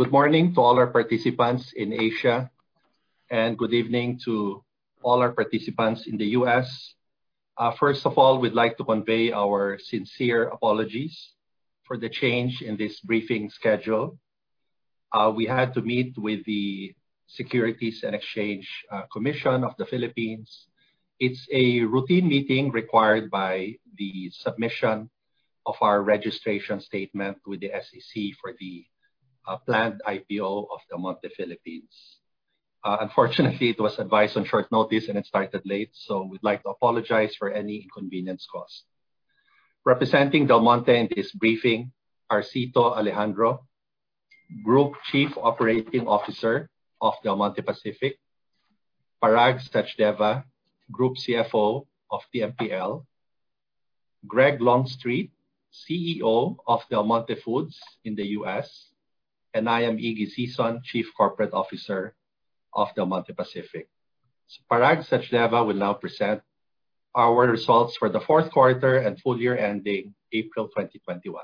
Good morning to all our participants in Asia, and good evening to all our participants in the U.S. First of all, we'd like to convey our sincere apologies for the change in this briefing schedule. We had to meet with the Securities and Exchange Commission of the Philippines. It's a routine meeting required by the submission of our registration statement with the SEC for the planned IPO of Del Monte Philippines. Unfortunately, it was advised on short notice and it started late. We'd like to apologize for any inconvenience caused. Representing Del Monte in this briefing, Cito Alejandro, Group Chief Operating Officer of Del Monte Pacific, Parag Sachdeva, Group CFO of DMPL, Greg Longstreet, CEO of Del Monte Foods in the U.S., and I am Ignacio Sison, Chief Corporate Officer of Del Monte Pacific. Parag Sachdeva will now present our results for the fourth quarter and full year ending April 2021.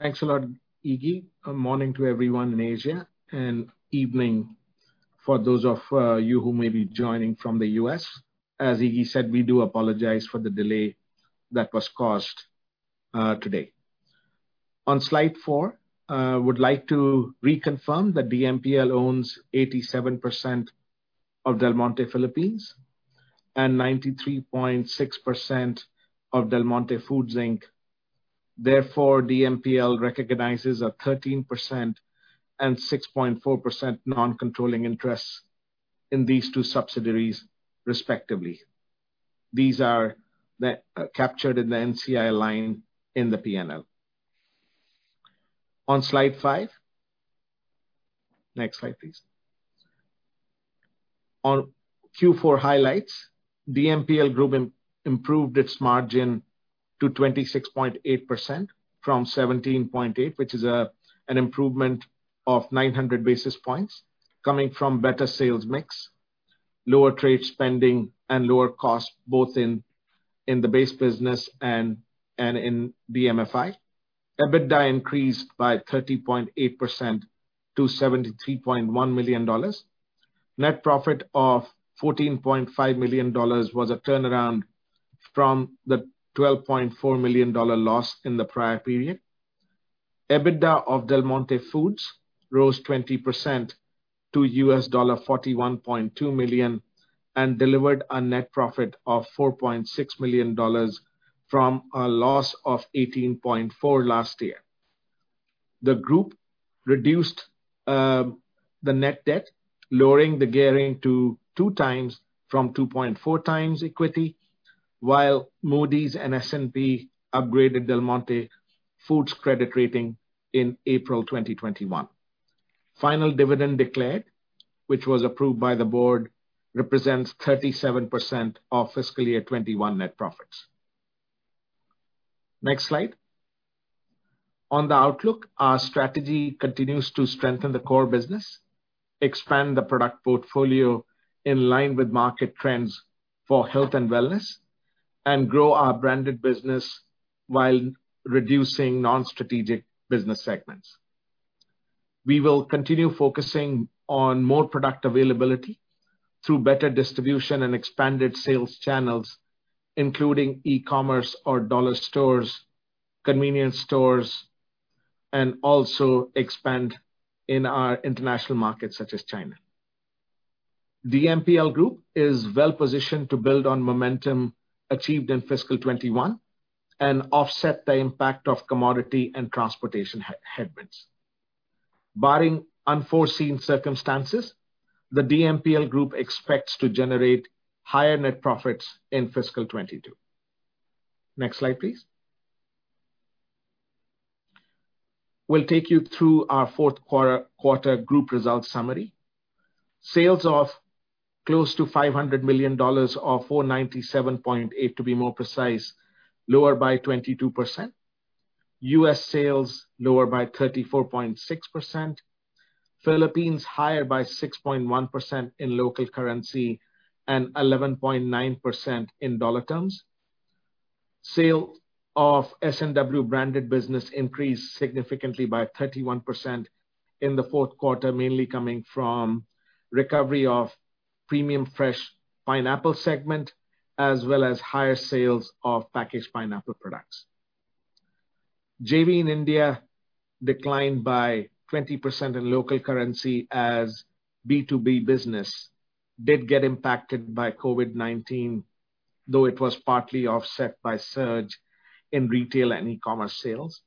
Thanks a lot, Iggy. Good morning to everyone in Asia, and evening for those of you who may be joining from the U.S. As Iggy said, we do apologize for the delay that was caused today. On slide four, I would like to reconfirm that DMPL owns 87% of Del Monte Philippines and 93.6% of Del Monte Foods, Inc. Therefore, DMPL recognizes a 13% and 6.4% non-controlling interest in these two subsidiaries, respectively. These are captured in the NCI line in the P&L. On slide five. Next slide, please. On Q4 highlights, DMPL Group improved its margin to 26.8% from 17.8%, which is an improvement of 900 basis points coming from better sales mix, lower trade spending, and lower costs both in the base business and in DMFI. EBITDA increased by 30.8% to $73.1 million. Net profit of $14.5 million was a turnaround from the $12.4 million loss in the prior period. EBITDA of Del Monte Foods rose 20% to $41.2 million and delivered a net profit of $4.6 million from a loss of $18.4 million last year. The group reduced the net debt, lowering the gearing to two times from 2.4 times equity, while Moody's and S&P upgraded Del Monte Foods credit rating in April 2021. Final dividend declared, which was approved by the board, represents 37% of fiscal year 2021 net profits. Next slide. On the outlook, our strategy continues to strengthen the core business, expand the product portfolio in line with market trends for health and wellness, and grow our branded business while reducing non-strategic business segments. We will continue focusing on more product availability through better distribution and expanded sales channels, including e-commerce or dollar stores, convenience stores, and also expand in our international markets such as China. DMPL Group is well-positioned to build on momentum achieved in fiscal 2021 and offset the impact of commodity and transportation headwinds. Barring unforeseen circumstances, the DMPL Group expects to generate higher net profits in fiscal 2022. Next slide, please. We will take you through our fourth quarter group results summary. Sales of close to $500 million, or $497.8 million to be more precise, lower by 22%. U.S. sales lower by 34.6%. Philippines higher by 6.1% in local currency and 11.9% in dollar terms. Sale of S&W branded business increased significantly by 31% in the fourth quarter, mainly coming from recovery of premium fresh pineapple segment, as well as higher sales of packaged pineapple products. JV in India declined by 20% in local currency as B2B business did get impacted by COVID-19, though it was partly offset by surge in retail and e-commerce sales.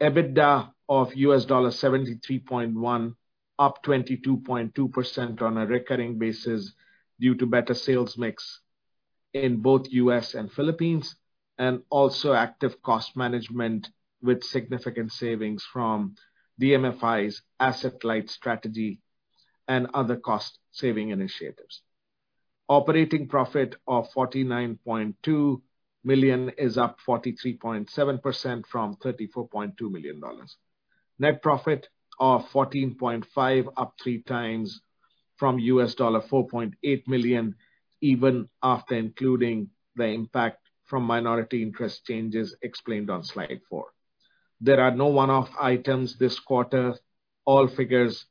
EBITDA of $73.1 million, up 22.2% on a recurring basis due to better sales mix in both U.S. and Philippines, and also active cost management with significant savings from DMFI's asset-light strategy and other cost-saving initiatives. Operating profit of $49.2 million is up 43.7% from $34.2 million. Net profit of $14.5 million, up three times from $4.8 million, even after including the impact from minority interest changes explained on slide four. There are no one-off items this quarter. All figures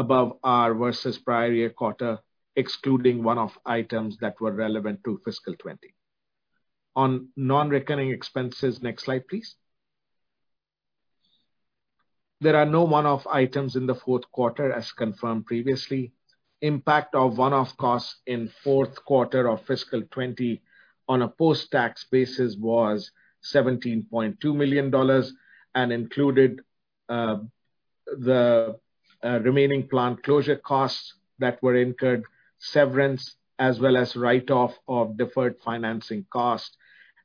above are versus prior year quarter, excluding one-off items that were relevant to fiscal 2020. On non-recurring expenses, next slide, please. There are no one-off items in the fourth quarter, as confirmed previously. Impact of one-off costs in fourth quarter of fiscal 2020 on a post-tax basis was $17.2 million and included the remaining plant closure costs that were incurred, severance, as well as write-off of deferred financing cost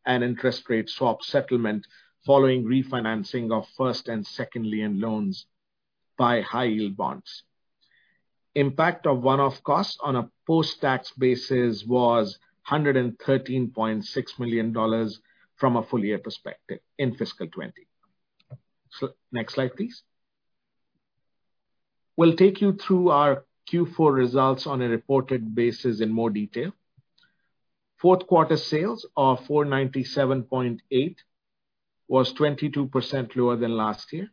and interest rate swap settlement following refinancing of first and second lien loans by high yield bonds. Impact of one-off costs on a post-tax basis was $113.6 million from a full year perspective in fiscal 2020. Next slide, please. We'll take you through our Q4 results on a reported basis in more detail. Fourth quarter sales are $497.8, was 22% lower than last year.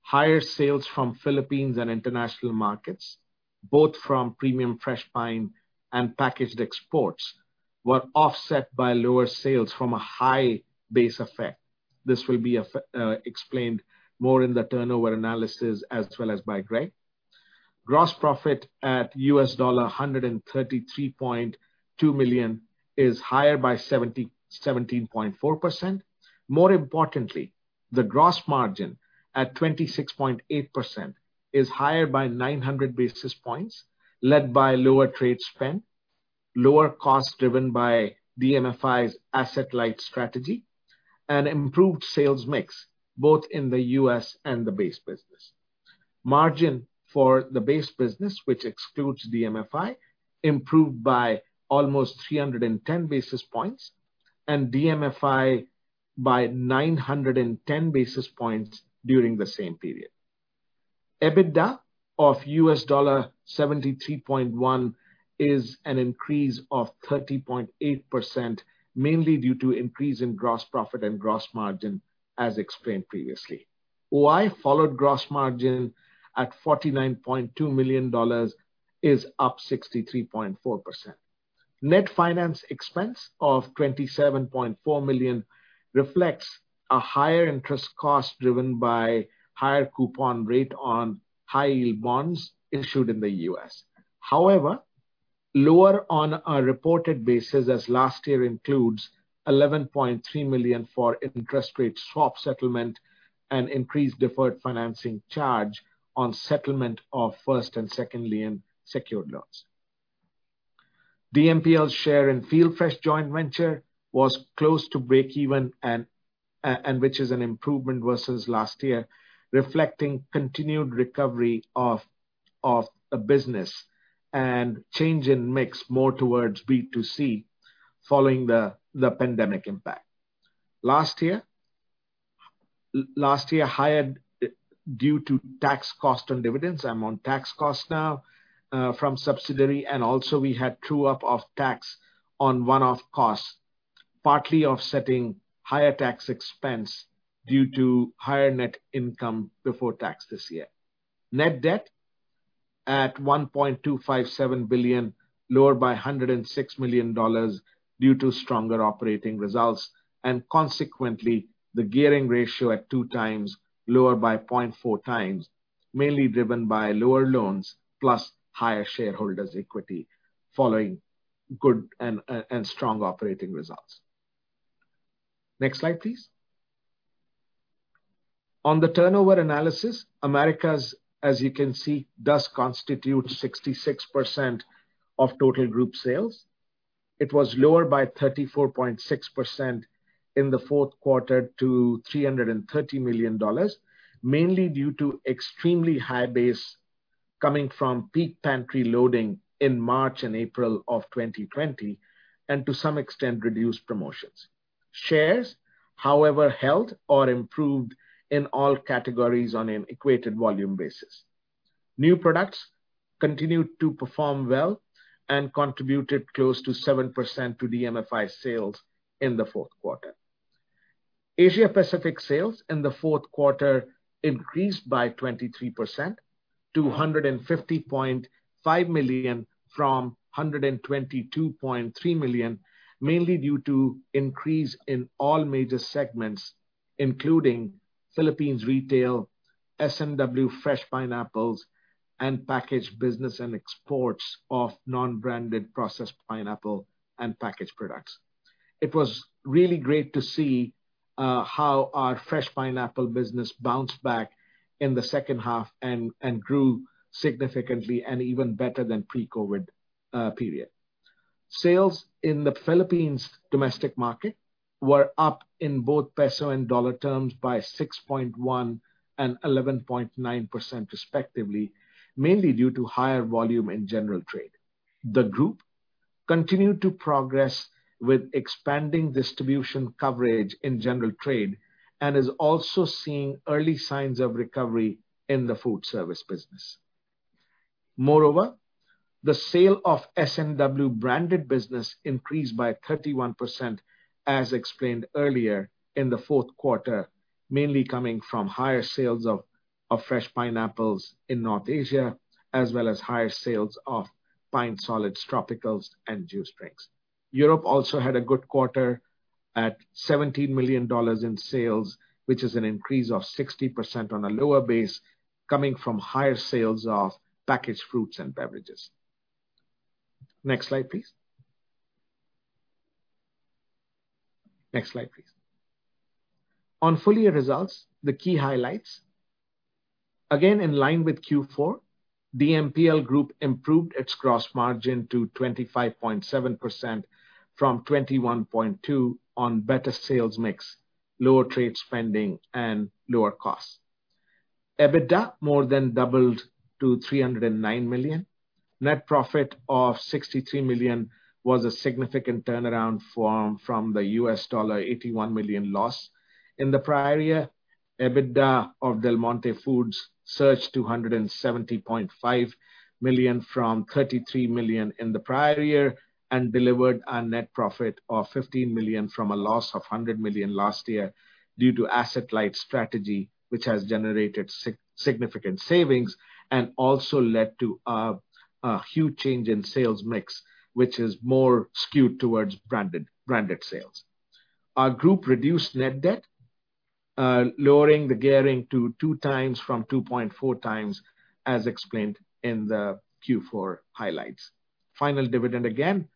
Higher sales from Philippines and international markets, both from premium fresh pine and packaged exports, were offset by lower sales from a high base effect. This will be explained more in the turnover analysis as well as by Greg. Gross profit at $133.2 million is higher by 17.4%. More importantly, the gross margin at 26.8% is higher by 900 basis points, led by lower trade spend, lower cost driven by DMFI's asset-light strategy, and improved sales mix both in the U.S. and the base business. Margin for the base business, which excludes DMFI, improved by almost 310 basis points and DMFI by 910 basis points during the same period. EBITDA of $73.1 is an increase of 30.8%, mainly due to increase in gross profit and gross margin, as explained previously. OI followed gross margin at $49.2 million is up 63.4%. Net finance expense of $27.4 million reflects a higher interest cost driven by higher coupon rate on high yield bonds issued in the U.S. However, lower on a reported basis as last year includes $11.3 million for interest rate swap settlement and increased deferred financing charge on settlement of first and second lien secured loans. DMPL's share in FieldFresh joint venture was close to breakeven, and which is an improvement versus last year, reflecting continued recovery of the business and change in mix more towards B2C following the pandemic impact. Last year, higher due to tax cost on dividends, I'm on tax cost now, from subsidiary and also we had true-up of tax on one-off costs, partly offsetting higher tax expense due to higher net income before tax this year. Net debt at $1.257 billion, lower by $106 million due to stronger operating results, and consequently, the gearing ratio at two times lower by 0.4 times, mainly driven by lower loans plus higher shareholders' equity following good and strong operating results. Next slide, please. On the turnover analysis, Americas, as you can see, does constitute 66% of total group sales. It was lower by 34.6% in the fourth quarter to $330 million mainly due to extremely high base coming from peak pantry loading in March and April of 2020, and to some extent, reduced promotions. Shares, however, held or improved in all categories on an equated volume basis. New products continued to perform well and contributed close to 7% to DMFI sales in the fourth quarter. Asia Pacific sales in the fourth quarter increased by 23% to $150.5 million from $122.3 million, mainly due to increase in all major segments, including Philippines retail, S&W fresh pineapples, and packaged business and exports of non-branded processed pineapple and packaged products. It was really great to see how our fresh pineapple business bounced back in the second half and grew significantly and even better than pre-COVID period. Sales in the Philippine Market were up in both peso and dollar terms by 6.1% and 11.9% respectively, mainly due to higher volume in general trade. The group continued to progress with expanding distribution coverage in general trade, and is also seeing early signs of recovery in the food service business. Moreover, the sale of S&W branded business increased by 31%, as explained earlier in the fourth quarter, mainly coming from higher sales of fresh pineapples in North Asia, as well as higher sales of pineapple solids tropicals and juice drinks. Europe also had a good quarter at $17 million in sales, which is an increase of 60% on a lower base, coming from higher sales of packaged fruits and beverages. Next slide, please. On full year results, the key highlights. Again, in line with Q4, the DMPL group improved its gross margin to 25.7% from 21.2% on better sales mix, lower trade spending, and lower costs. EBITDA more than doubled to $309 million. Net profit of $63 million was a significant turnaround from the $81 million loss in the prior year. EBITDA of Del Monte Foods surged to $170.5 million from $33 million in the prior year, and delivered a net profit of $15 million from a loss of $100 million last year due to asset-light strategy, which has generated significant savings and also led to a huge change in sales mix, which is more skewed towards branded sales. Our group reduced net debt, lowering the gearing to two times from 2.4 times, as explained in the Q4 highlights. Final dividend, again,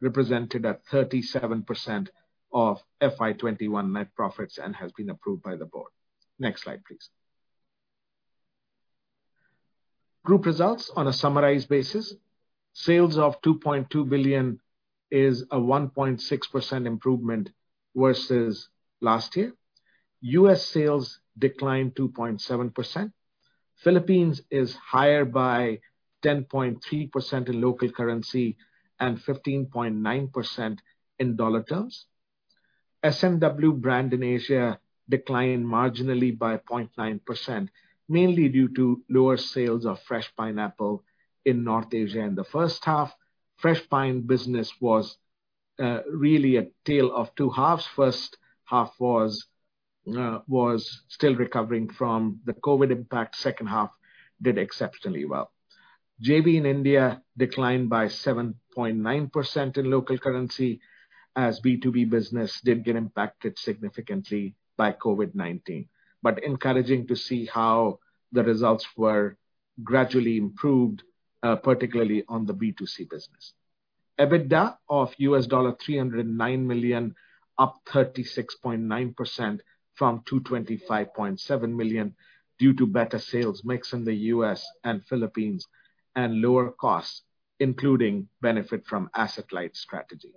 represented at 37% of FY 2021 net profits and has been approved by the board. Next slide, please. Group results on a summarized basis. Sales of $2.2 billion is a 1.6% improvement versus last year. U.S. sales declined 2.7%. Philippines is higher by 10.3% in local currency and 15.9% in dollar terms. S&W brand in Asia declined marginally by 0.9%, mainly due to lower sales of fresh pineapple in North Asia in the first half. fresh pineapple business was really a tale of two halves. First half was still recovering from the COVID impact. Second half did exceptionally well. JV in India declined by 7.9% in local currency, as B2B business did get impacted significantly by COVID-19. Encouraging to see how the results were gradually improved, particularly on the B2C business. EBITDA of $309 million, up 36.9% from $225.7 million due to better sales mix in the U.S. and Philippines and lower costs, including benefit from asset-light strategy.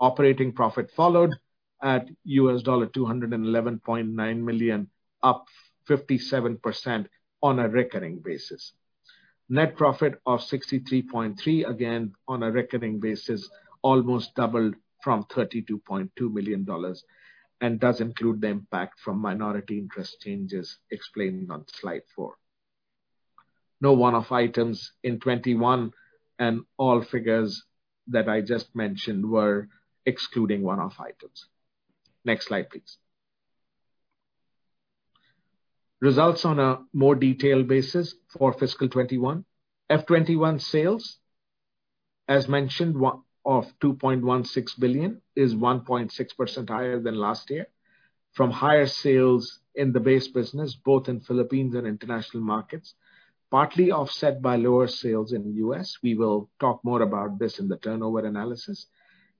Operating profit followed at $211.9 million, up 57% on a recurring basis. Net profit of $63.3 million, again on a recurring basis, almost doubled from $32.2 million and does include the impact from minority interest changes explained on slide four. No one-off items in 2021. All figures that I just mentioned were excluding one-off items. Next slide, please. Results on a more detailed basis for fiscal 2021. FY 2021 sales, as mentioned, of $2.16 billion is 1.6% higher than last year from higher sales in the base business, both in Philippines and international markets, partly offset by lower sales in the U.S. We will talk more about this in the turnover analysis.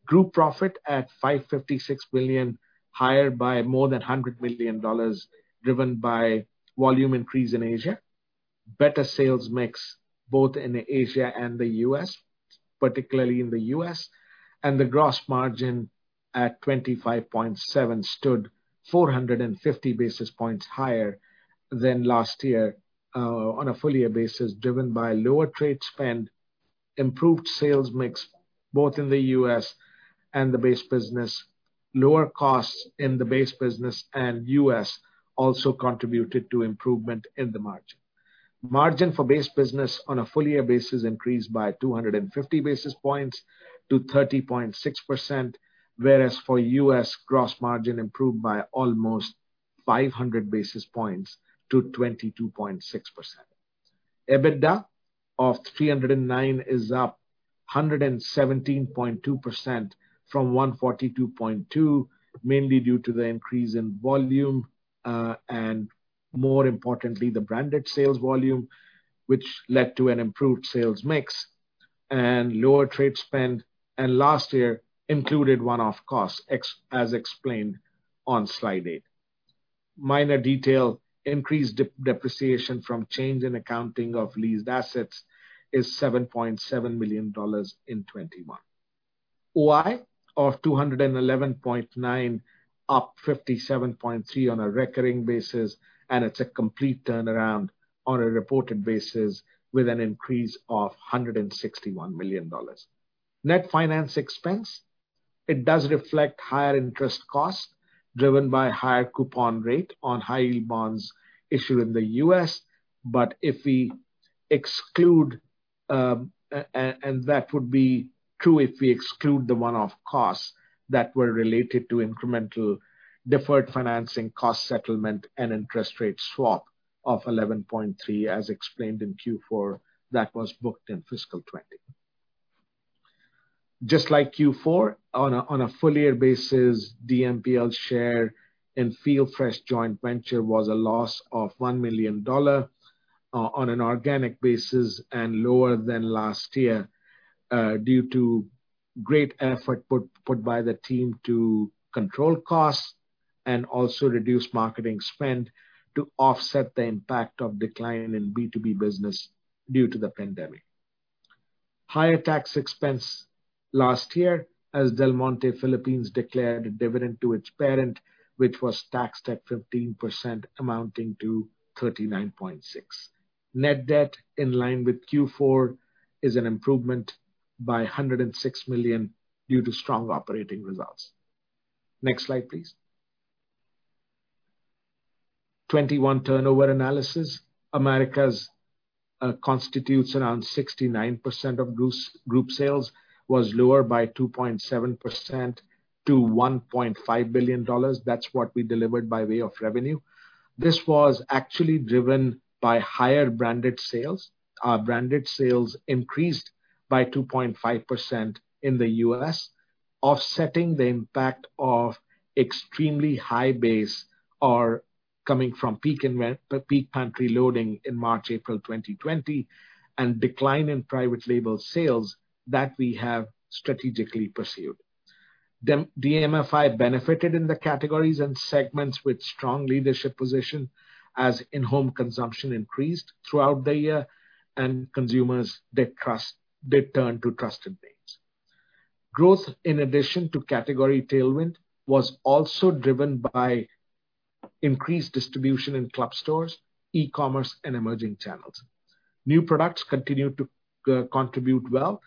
Group profit at $556 million, higher by more than $100 million, driven by volume increase in Asia, better sales mix both in Asia and the U.S., particularly in the U.S., and the gross margin at 25.7% stood 450 basis points higher than last year on a full year basis, driven by lower trade spend, improved sales mix both in the U.S. and the base business. Lower costs in the base business and U.S. also contributed to improvement in the margin. Margin for base business on a full year basis increased by 250 basis points to 30.6%, whereas for U.S., gross margin improved by almost 500 basis points to 22.6%. EBITDA of $309 is up 117.2% from $142.2, mainly due to the increase in volume, and more importantly, the branded sales volume, which led to an improved sales mix and lower trade spend, and last year included one-off costs, as explained on slide eight. Minor detail, increased depreciation from change in accounting of leased assets is $7.7 million in 2021. OI of $211.9, up 57.3% on a recurring basis, and it is a complete turnaround on a reported basis with an increase of $161 million. Net finance expense. It does reflect higher interest costs driven by higher coupon rate on high-yield bonds issued in the U.S., and that would be true if we exclude the one-off costs that were related to incremental deferred financing cost settlement and interest rate swap of $11.3, as explained in Q4 that was booked in fiscal 2020. Just like Q4 on a full year basis, the DMPL share in FieldFresh joint venture was a loss of $1 million on an organic basis and lower than last year, due to great effort put by the team to control costs and also reduce marketing spend to offset the impact of decline in B2B business due to the pandemic. Higher tax expense last year as Del Monte Philippines, Inc. declared a dividend to its parent, which was taxed at 15%, amounting to $39.6. Net debt in line with Q4 is an improvement by $106 million due to strong operating results. Next slide, please. 2021 turnover analysis. Americas constitutes around 69% of group sales, was lower by 2.7% to $1.5 billion. That's what we delivered by way of revenue. This was actually driven by higher branded sales. Our branded sales increased by 2.5% in the U.S., offsetting the impact of extremely high base or coming from peak pantry loading in March, April 2020 and decline in private label sales that we have strategically pursued. DMFI benefited in the categories and segments with strong leadership position as in-home consumption increased throughout the year and consumers, they turned to trusted names. Growth, in addition to category tailwind, was also driven by increased distribution in club stores, e-commerce, and emerging channels. New products continued to contribute well.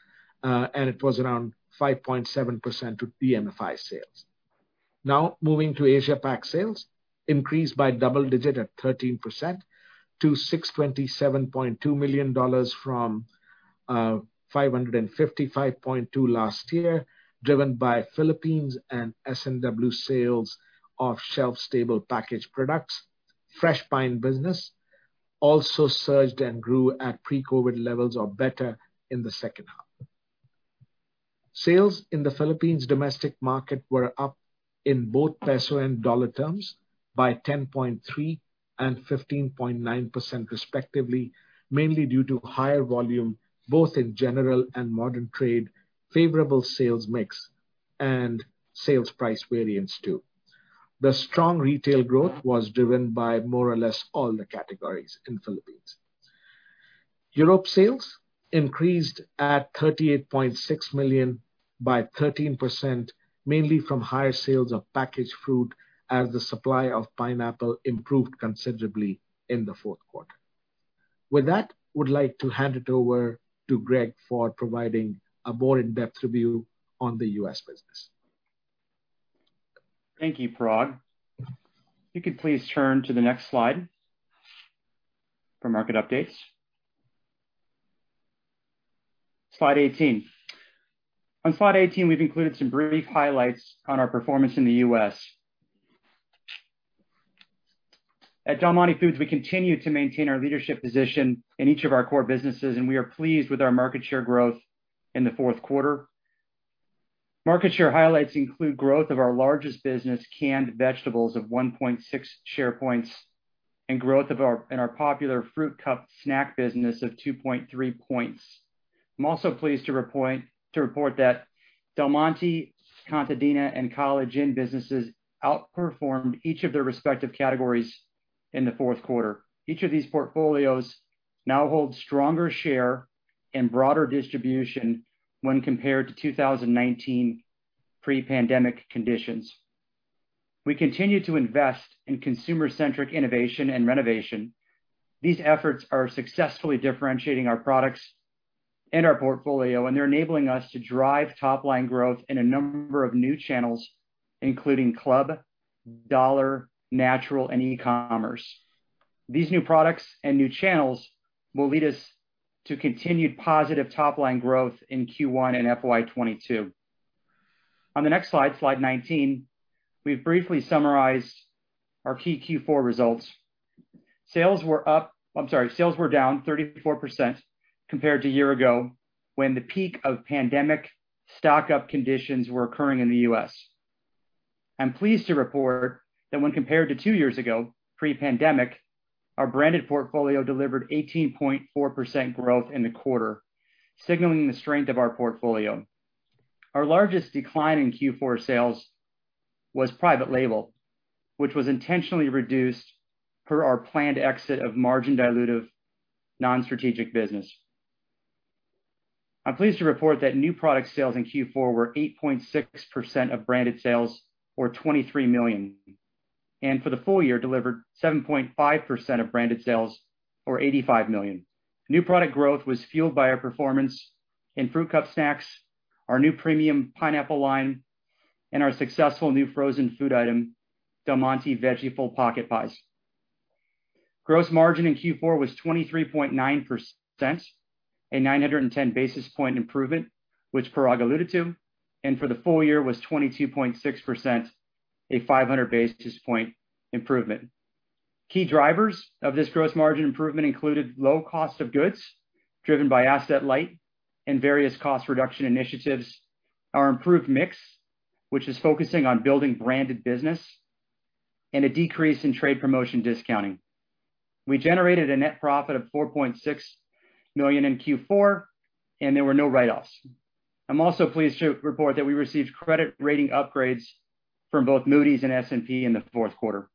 It was around 5.7% of DMFI sales. Moving to Asia Pac sales. Increased by double-digit at 13% to $627.2 million from $555.2 million last year, driven by Philippines and S&W sales of shelf-stable packaged products. Fresh Pine business also surged and grew at pre-COVID levels or better in the second half. Sales in the Philippines domestic market were up in both peso and dollar terms by 10.3 and 15.9%, respectively, mainly due to higher volume both in general and modern trade, favorable sales mix, and sales price variance too. The strong retail growth was driven by more or less all the categories in Philippines. Europe sales increased at $38.6 million by 13%, mainly from higher sales of packaged food as the supply of pineapple improved considerably in the fourth quarter. With that, I would like to hand it over to Greg for providing a more in-depth review on the U.S. business. Thank you, Parag. If you could please turn to the next slide for market updates. Slide 18. On slide 18, we've included some brief highlights on our performance in the U.S. At Del Monte Foods, we continue to maintain our leadership position in each of our core businesses, and we are pleased with our market share growth in the fourth quarter. Market share highlights include growth of our largest business, canned vegetables, of 1.6 share points and growth in our popular Fruit Cup snack business of 2.3 points. I'm also pleased to report that Del Monte, Contadina, and College Inn businesses outperformed each of their respective categories in the fourth quarter. Each of these portfolios now holds stronger share and broader distribution when compared to 2019 pre-pandemic conditions. We continue to invest in consumer-centric innovation and renovation. These efforts are successfully differentiating our products in our portfolio, and they're enabling us to drive top-line growth in a number of new channels, including club, dollar, natural, and e-commerce. These new products and new channels will lead us to continued positive top-line growth in Q1 and FY 2022. On the next slide 19, we've briefly summarized our key Q4 results. Sales were down 34% compared to a year ago when the peak of pandemic stock-up conditions were occurring in the U.S. I'm pleased to report that when compared to two years ago, pre-pandemic, our branded portfolio delivered 18.4% growth in a quarter, signaling the strength of our portfolio. Our largest decline in Q4 sales was private label, which was intentionally reduced per our planned exit of margin dilutive non-strategic business. I'm pleased to report that new product sales in Q4 were 8.6% of branded sales, or $23 million, and for the full year delivered 7.5% of branded sales or $85 million. New product growth was fueled by our performance in Fruit Cup snacks, our new premium pineapple line, and our successful new frozen food item, Del Monte Veggieful Pocket Pies. Gross margin in Q4 was 23.9%, a 910 basis point improvement, which Parag alluded to, and for the full year was 22.6%, a 500 basis point improvement. Key drivers of this gross margin improvement included low cost of goods driven by asset-light and various cost reduction initiatives, our improved mix, which is focusing on building branded business, and a decrease in trade promotion discounting. We generated a net profit of $4.6 million in Q4, and there were no write-offs. I'm also pleased to report that we received credit rating upgrades from both Moody's and S&P in the fourth quarter.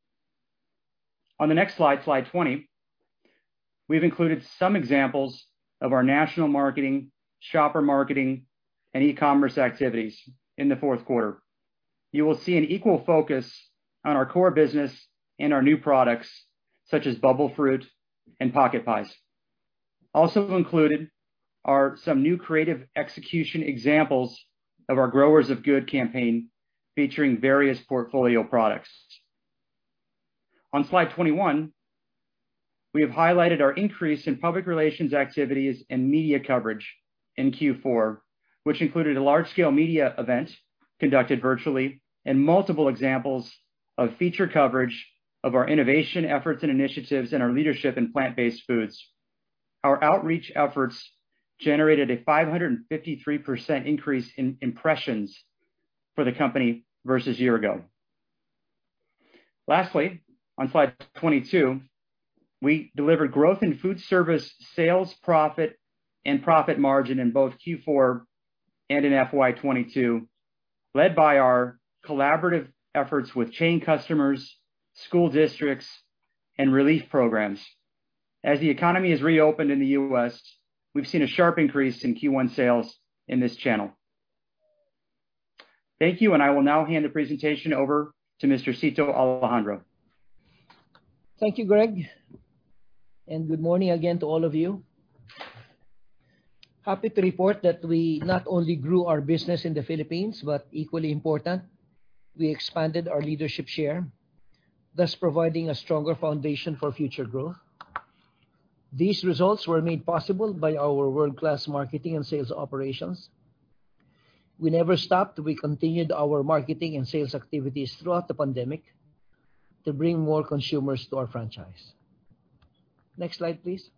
On the next slide 20, we've included some examples of our national marketing, shopper marketing, and e-commerce activities in the fourth quarter. You will see an equal focus on our core business and our new products, such as Bubble Fruit and Pocket Pies. Also included are some new creative execution examples of our Growers of Good campaign featuring various portfolio products. On slide 21, we have highlighted our increase in public relations activities and media coverage in Q4, which included a large-scale media event conducted virtually and multiple examples of feature coverage of our innovation efforts and initiatives and our leadership in plant-based foods. Our outreach efforts generated a 553% increase in impressions for the company versus a year ago. Lastly, on slide 22, we delivered growth in food service sales, profit, and profit margin in both Q4 and in FY 2022, led by our collaborative efforts with chain customers, school districts, and relief programs. The economy has reopened in the U.S., we've seen a sharp increase in Q1 sales in this channel. Thank you. I will now hand the presentation over to Mr. Cito Alejandro. Thank you, Greg. Good morning again to all of you. Happy to report that we not only grew our business in the Philippines, but equally important, we expanded our leadership share, thus providing a stronger foundation for future growth. These results were made possible by our world-class marketing and sales operations. We never stopped. We continued our marketing and sales activities throughout the pandemic to bring more consumers to our franchise. Next slide, please.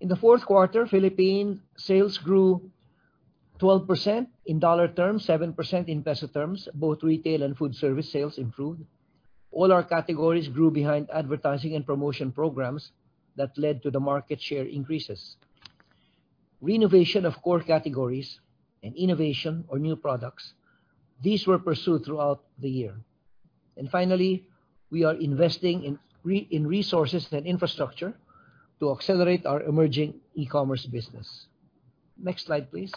In the fourth quarter, Philippine sales grew 12% in dollar terms, 7% in PHP terms. Both retail and food service sales improved. All our categories grew behind advertising and promotion programs that led to the market share increases. Renovation of core categories and innovation or new products, these were pursued throughout the year. Finally, we are investing in resources and infrastructure to accelerate our emerging e-commerce business. Next slide, please.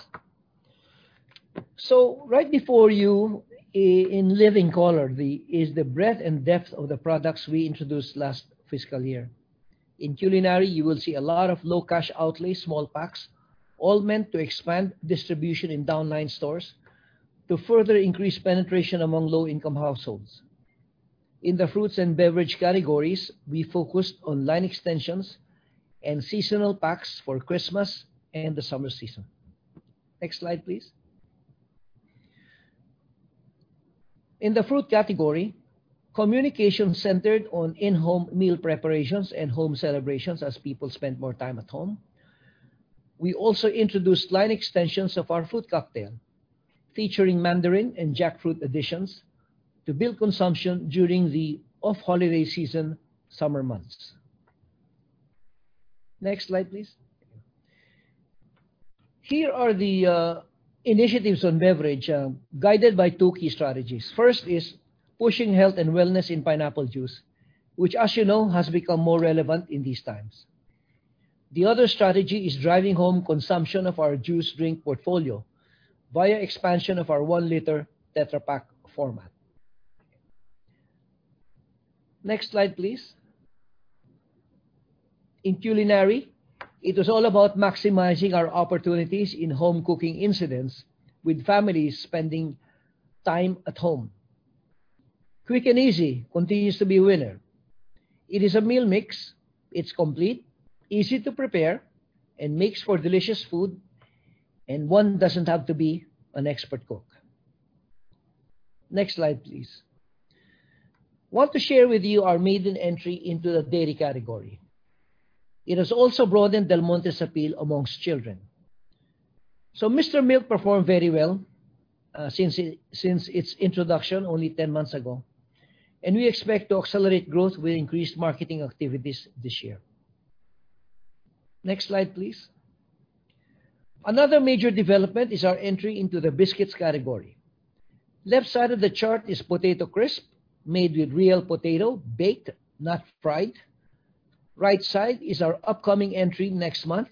Right before you in living color is the breadth and depth of the products we introduced last fiscal year. In culinary, you will see a lot of low cash outlay, small packs, all meant to expand distribution in downline stores to further increase penetration among low-income households. In the fruits and beverage categories, we focused on line extensions and seasonal packs for Christmas and the summer season. Next slide, please. In the fruit category, communication centered on in-home meal preparations and home celebrations as people spend more time at home. We also introduced line extensions of our Fruit Cup brand, featuring mandarin and jackfruit additions to build consumption during the off-holiday season, summer months. Next slide, please. Here are the initiatives on beverage, guided by two key strategies. First is pushing health and wellness in pineapple juice, which as you know, has become more relevant in these times. The other strategy is driving home consumption of our juice drink portfolio via expansion of our 1 l Tetra Pak format. Next slide, please. In culinary, it was all about maximizing our opportunities in home cooking incidents with families spending time at home. Quick 'n Easy continues to be a winner. It is a meal mix. It's complete, easy to prepare, and makes for delicious food, and one doesn't have to be an expert cook. Next slide, please. I want to share with you our maiden entry into the dairy category. It has also broadened Del Monte's appeal amongst children. Mr. Milk performed very well since its introduction only 10 months ago, and we expect to accelerate growth with increased marketing activities this year. Next slide, please. Another major development is our entry into the biscuits category. Left side of the chart is potato crisp, made with real potato, baked, not fried. Right side is our upcoming entry next month,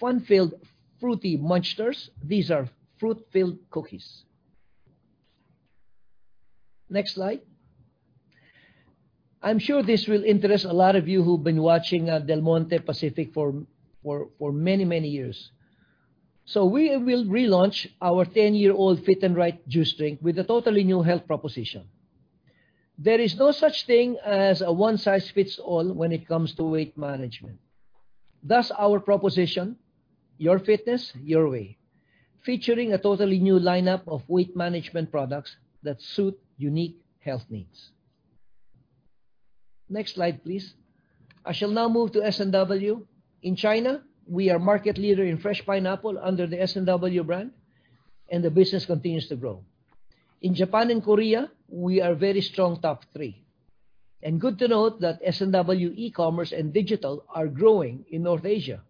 Fruity Munchsters. These are fruit-filled cookies. Next slide. I'm sure this will interest a lot of you who've been watching Del Monte Pacific for many, many years. We will relaunch our 10-year-old Fit 'n Right juice drink with a totally new health proposition. There is no such thing as a one size fits all when it comes to weight management. Thus our proposition, Your Fitness, Your Way, featuring a totally new lineup of weight management products that suit unique health needs. Next slide, please. I shall now move to S&W. In China, we are market leader in fresh pineapple under the S&W brand. The business continues to grow. In Japan and Korea, we are very strong top three. Good to note that S&W e-commerce and digital are growing in North Asia,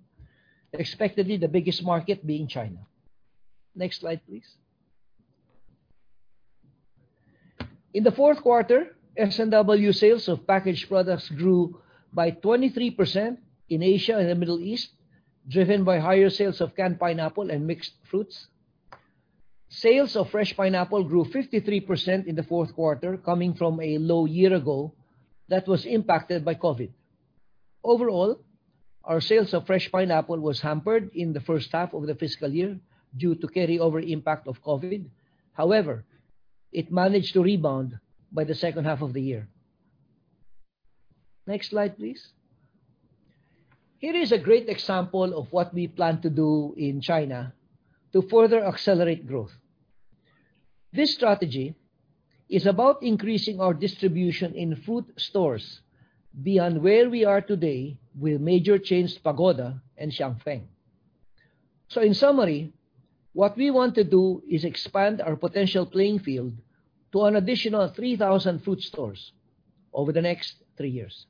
expectedly the biggest market being China. Next slide, please. In the fourth quarter, S&W sales of packaged products grew by 23% in Asia and the Middle East, driven by higher sales of canned pineapple and mixed fruits. Sales of fresh pineapple grew 53% in the fourth quarter, coming from a low year ago that was impacted by COVID. Overall, our sales of fresh pineapple was hampered in the first half of the fiscal year due to carryover impact of COVID. However, it managed to rebound by the second half of the year. Next slide, please. Here is a great example of what we plan to do in China to further accelerate growth. This strategy is about increasing our distribution in food stores beyond where we are today with major chains Pagoda and Xianfeng Fruit. In summary, what we want to do is expand our potential playing field to an additional 3,000 food stores over the next three years.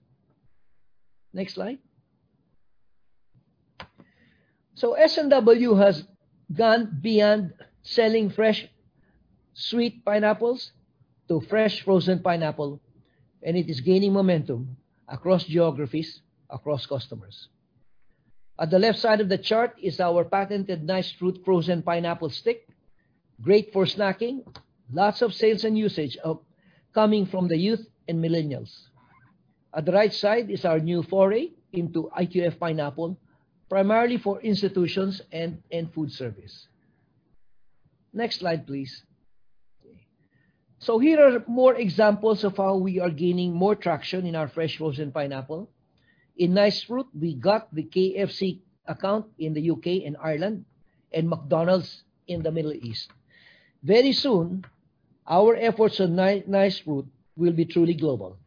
Next slide. S&W has gone beyond selling fresh, sweet pineapples to fresh frozen pineapple, and it is gaining momentum across geographies, across customers. On the left side of the chart is our patented Nice Fruit frozen pineapple stick. Great for snacking. Lots of sales and usage coming from the youth and millennials. At the right side is our new foray into IQF pineapple, primarily for institutions and food service. Next slide, please. Here are more examples of how we are gaining more traction in our fresh frozen pineapple. In Nice Fruit, we got the KFC account in the U.K. and Ireland and McDonald's in the Middle East. Very soon, our efforts on Nice Fruit will be truly global.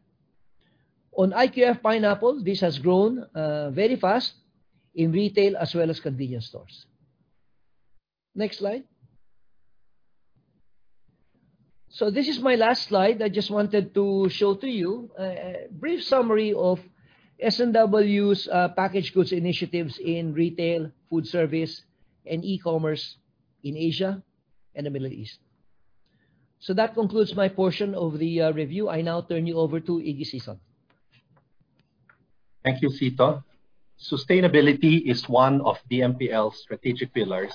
On IQF pineapple, this has grown very fast in retail as well as convenience stores. Next slide. This is my last slide. I just wanted to show to you a brief summary of S&W's packaged goods initiatives in retail, food service, and e-commerce in Asia and the Middle East. That concludes my portion of the review. I now turn you over to Iggy Sison. Thank you, Cito. Sustainability is one of DMPL's strategic pillars,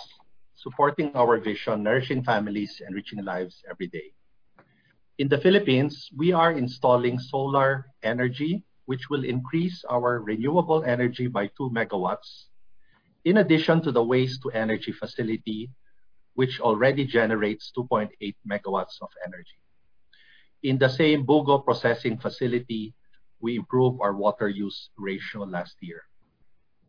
supporting our vision, nourishing families and enriching lives every day. In the Philippines, we are installing solar energy, which will increase our renewable energy by 2 MW, in addition to the waste-to-energy facility, which already generates 2.8 MW of energy. In the same Bogo processing facility, we improved our water use ratio last year.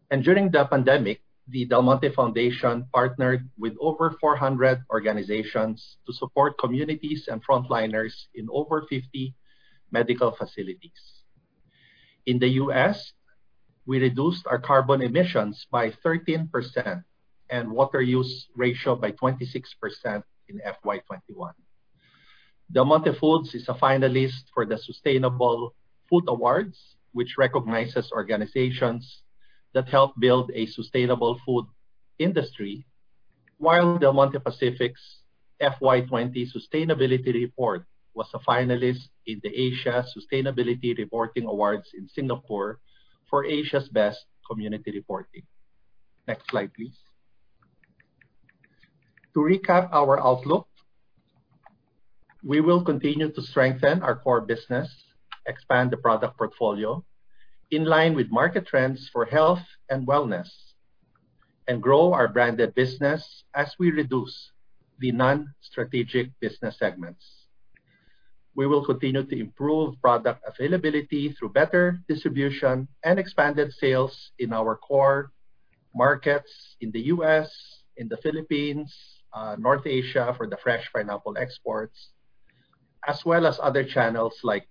During the pandemic, the Del Monte Foundation partnered with over 400 organizations to support communities and frontliners in over 50 medical facilities. In the U.S., we reduced our carbon emissions by 13% and water use ratio by 26% in FY 2021. Del Monte Foods is a finalist for the Sustainable Food Awards, which recognizes organizations that help build a sustainable food industry, while Del Monte Pacific's FY 2020 Sustainability Report was a finalist in the Asia Sustainability Reporting Awards in Singapore for Asia's Best Community Reporting. Next slide, please. To recap our outlook, we will continue to strengthen our core business, expand the product portfolio in line with market trends for health and wellness, and grow our branded business as we reduce the non-strategic business segments. We will continue to improve product availability through better distribution and expanded sales in our core markets in the U.S., in the Philippines, North Asia, for the fresh pineapple exports, as well as other channels like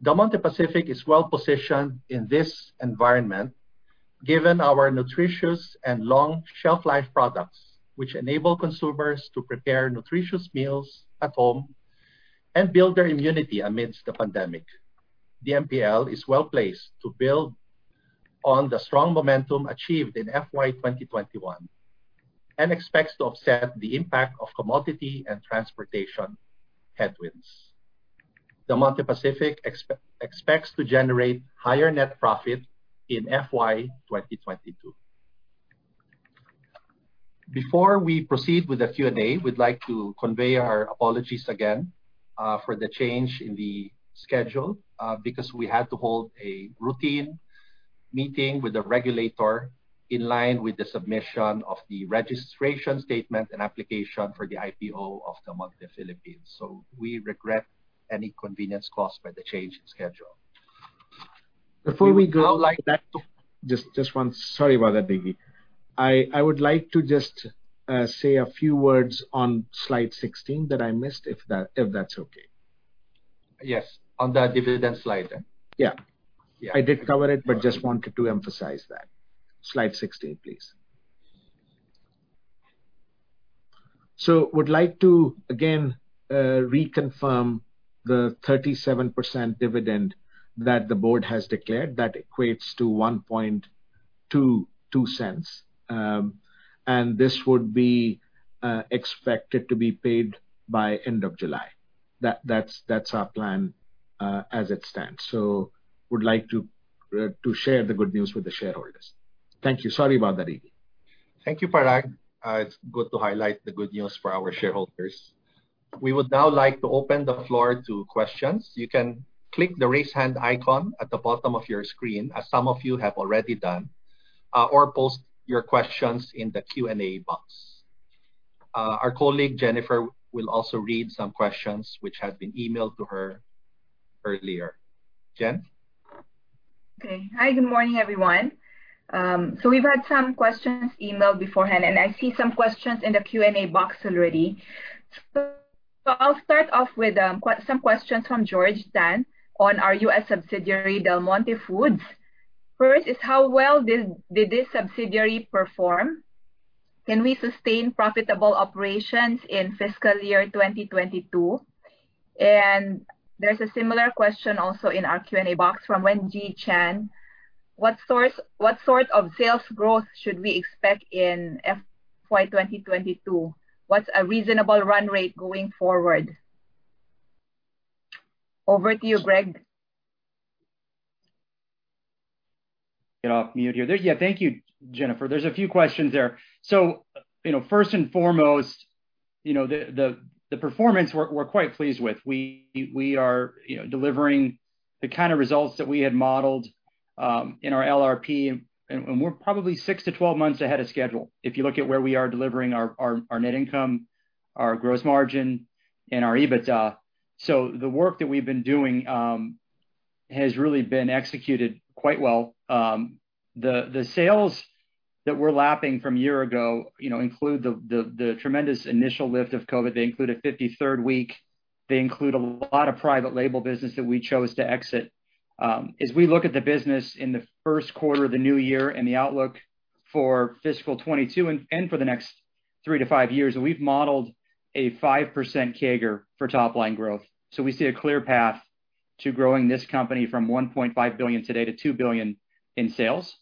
e-commerce. Del Monte Pacific is well-positioned in this environment. Given our nutritious and long shelf life products, which enable consumers to prepare nutritious meals at home and build their immunity amidst the pandemic, DMPL is well-placed to build on the strong momentum achieved in FY 2021 and expects to offset the impact of commodity and transportation headwinds. Del Monte Pacific expects to generate higher net profit in FY 2022. Before we proceed with the Q&A, we'd like to convey our apologies again for the change in the schedule because we had to hold a routine meeting with the regulator in line with the submission of the registration statement and application for the IPO of Del Monte Philippines. We regret any inconvenience caused by the change in schedule. Before we go, Just one. Sorry about that, Iggy. I would like to just say a few words on slide 16 that I missed, if that's okay. Yes. On that dividend slide. Yeah. Yeah. I did cover it, but just wanted to emphasize that. Slide 16, please. Would like to, again, reconfirm the 37% dividend that the board has declared. That equates to $0.0122. This would be expected to be paid by end of July. That's our plan as it stands. Would like to share the good news with the shareholders. Thank you. Sorry about that, Iggy. Thank you, Parag. It's good to highlight the good news for our shareholders. We would now like to open the floor to questions. You can click the raise hand icon at the bottom of your screen, as some of you have already done, or post your questions in the Q&A box. Our colleague, Jennifer, will also read some questions which have been emailed to her earlier. Jen? Okay. Hi, good morning, everyone. We've had some questions emailed beforehand, and I see some questions in the Q&A box already. I'll start off with some questions from George Tan on our U.S. subsidiary, Del Monte Foods. First is, how well did this subsidiary perform? Can we sustain profitable operations in fiscal year 2022? There's a similar question also in our Q&A box from Wen Ji Chen. What sort of sales growth should we expect in FY 2022? What's a reasonable runway going forward? Over to you, Greg. Yeah. Thank you, Jennifer. There's a few questions there. First and foremost, the performance we're quite pleased with. We are delivering the kind of results that we had modeled in our LRP, and we're probably 6-12 months ahead of schedule. If you look at where we are delivering our net income, our gross margin, and our EBITDA. The work that we've been doing has really been executed quite well. The sales that we're lapping from a year ago include the tremendous initial lift of COVID. They include a 53rd week. They include a lot of private label business that we chose to exit. As we look at the business in the first quarter of the new year and the outlook for fiscal 2022 and for the next three to five years, and we've modeled a 5% CAGR for top-line growth. We see a clear path to growing this company from $1.5 billion today-$2 billion in sales.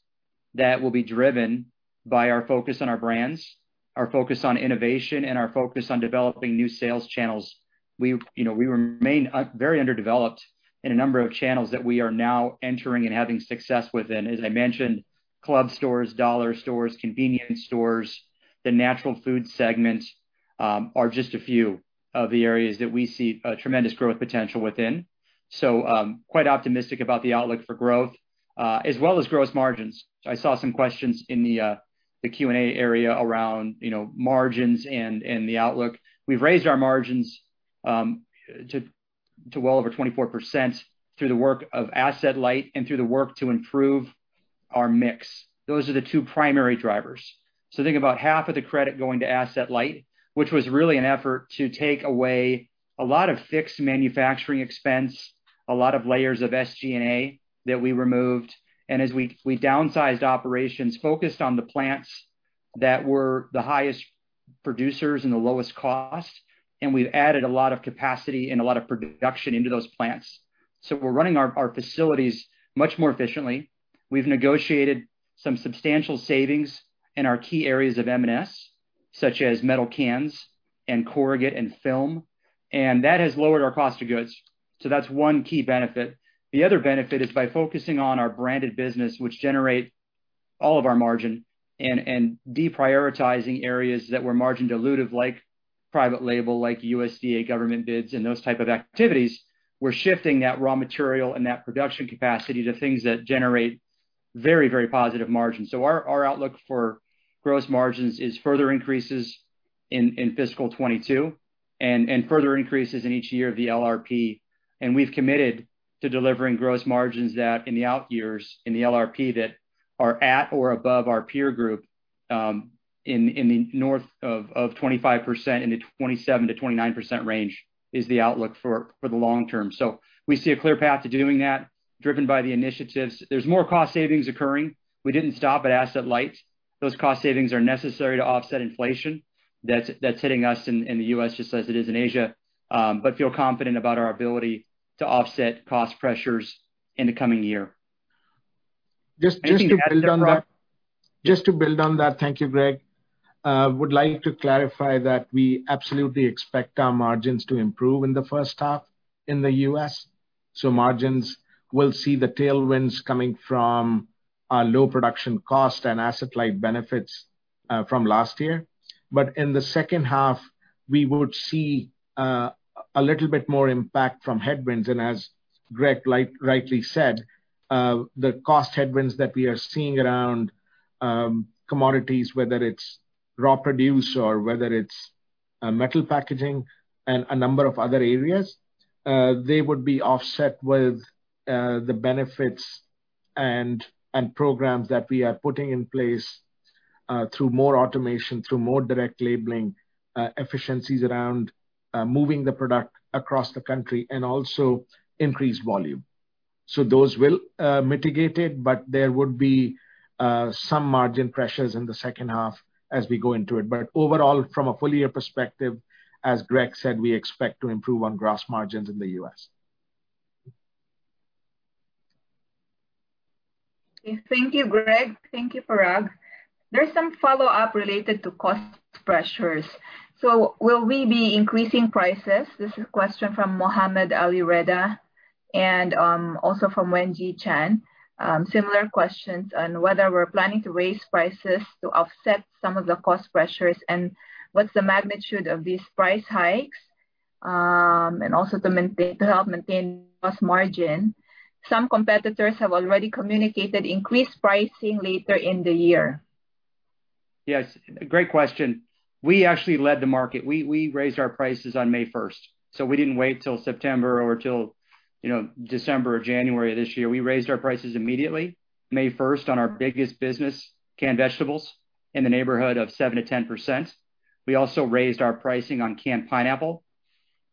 That will be driven by our focus on our brands, our focus on innovation, and our focus on developing new sales channels. We remain very underdeveloped in a number of channels that we are now entering and having success within. As I mentioned, club stores, dollar stores, convenience stores, the natural food segments are just a few of the areas that we see tremendous growth potential within. Quite optimistic about the outlook for growth as well as gross margins. I saw some questions in the Q&A area around margins and the outlook. We've raised our margins to well over 24% through the work of asset-light and through the work to improve our mix. Those are the two primary drivers. Think about half of the credit going to asset-light, which was really an effort to take away a lot of fixed manufacturing expense, a lot of layers of SG&A that we removed. As we downsized operations, focused on the plants that were the highest producers and the lowest cost, and we've added a lot of capacity and a lot of production into those plants. We're running our facilities much more efficiently. We've negotiated some substantial savings in our key areas of M&S, such as metal cans and corrugate and film, and that has lowered our cost of goods. That's one key benefit. The other benefit is by focusing on our branded business, which generates all of our margin and deprioritizing areas that were margin dilutive, like private label, like USDA government bids and those type of activities. We're shifting that raw material and that production capacity to things that generate very, very positive margins. Our outlook for gross margins is further increases in fiscal 2022 and further increases in each year of the LRP. We've committed to delivering gross margins in the out years in the LRP that are at or above our peer group. In the north of 25%, in the 27%-29% range is the outlook for the long term. We see a clear path to doing that driven by the initiatives. There's more cost savings occurring. We didn't stop at asset-light. Those cost savings are necessary to offset inflation that's hitting us in the U.S. just as it is in Asia, but feel confident about our ability to offset cost pressures in the coming year. Just to build on that. Thank you, Greg. I would like to clarify that we absolutely expect our margins to improve in the first half in the U.S. Margins will see the tailwinds coming from our low production cost and asset-light benefits from last year. In the second half, we would see a little bit more impact from headwinds. As Greg rightly said, the cost headwinds that we are seeing around commodities, whether it's raw produce or whether it's metal packaging and a number of other areas, they would be offset with the benefits and programs that we are putting in place through more automation, through more direct labeling efficiencies around moving the product across the country and also increased volume. Those will mitigate it, but there would be some margin pressures in the second half as we go into it. Overall, from a full year perspective, as Greg said, we expect to improve on gross margins in the U.S. Thank you, Greg. Thank you, Parag. There's some follow-up related to cost pressures. Will we be increasing prices? This is a question from Mohammed Ali-Reda and also from Wen Ji Chen. Similar questions on whether we're planning to raise prices to offset some of the cost pressures and what's the magnitude of these price hikes, and also to help maintain gross margin. Some competitors have already communicated increased pricing later in the year. Yes, great question. We actually led the market. We raised our prices on May 1st. We didn't wait till September or till December or January of this year. We raised our prices immediately, May 1st, on our biggest business, canned vegetables, in the neighborhood of 7%-10%. We also raised our pricing on canned pineapple,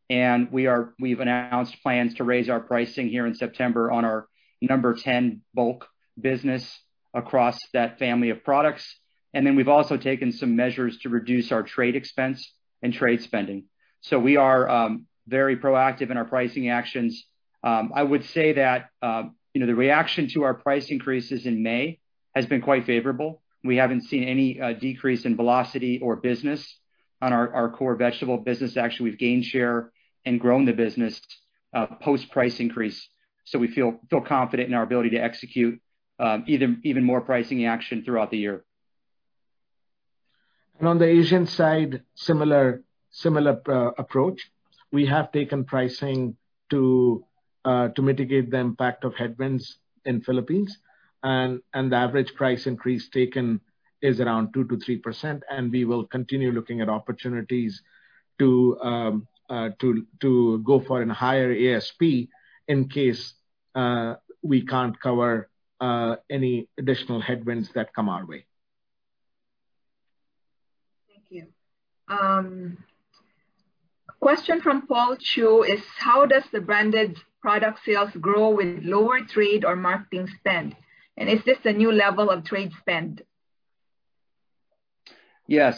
and we've announced plans to raise our pricing here in September on our number 10 bulk business across that family of products. We've also taken some measures to reduce our trade expense and trade spending. We are very proactive in our pricing actions. I would say that the reaction to our price increases in May has been quite favorable. We haven't seen any decrease in velocity or business on our core vegetable business. Actually, we've gained share and grown the business post-price increase. We feel confident in our ability to execute even more pricing action throughout the year. On the Asian side, similar approach. We have taken pricing to mitigate the impact of headwinds in Philippines, and the average price increase taken is around 2%-3%. We will continue looking at opportunities to go for a higher ASP in case we can't cover any additional headwinds that come our way. Thank you. Question from Paul Chew is, how does the branded product sales grow with lower trade or marketing spend? Is this a new level of trade spend? Yes.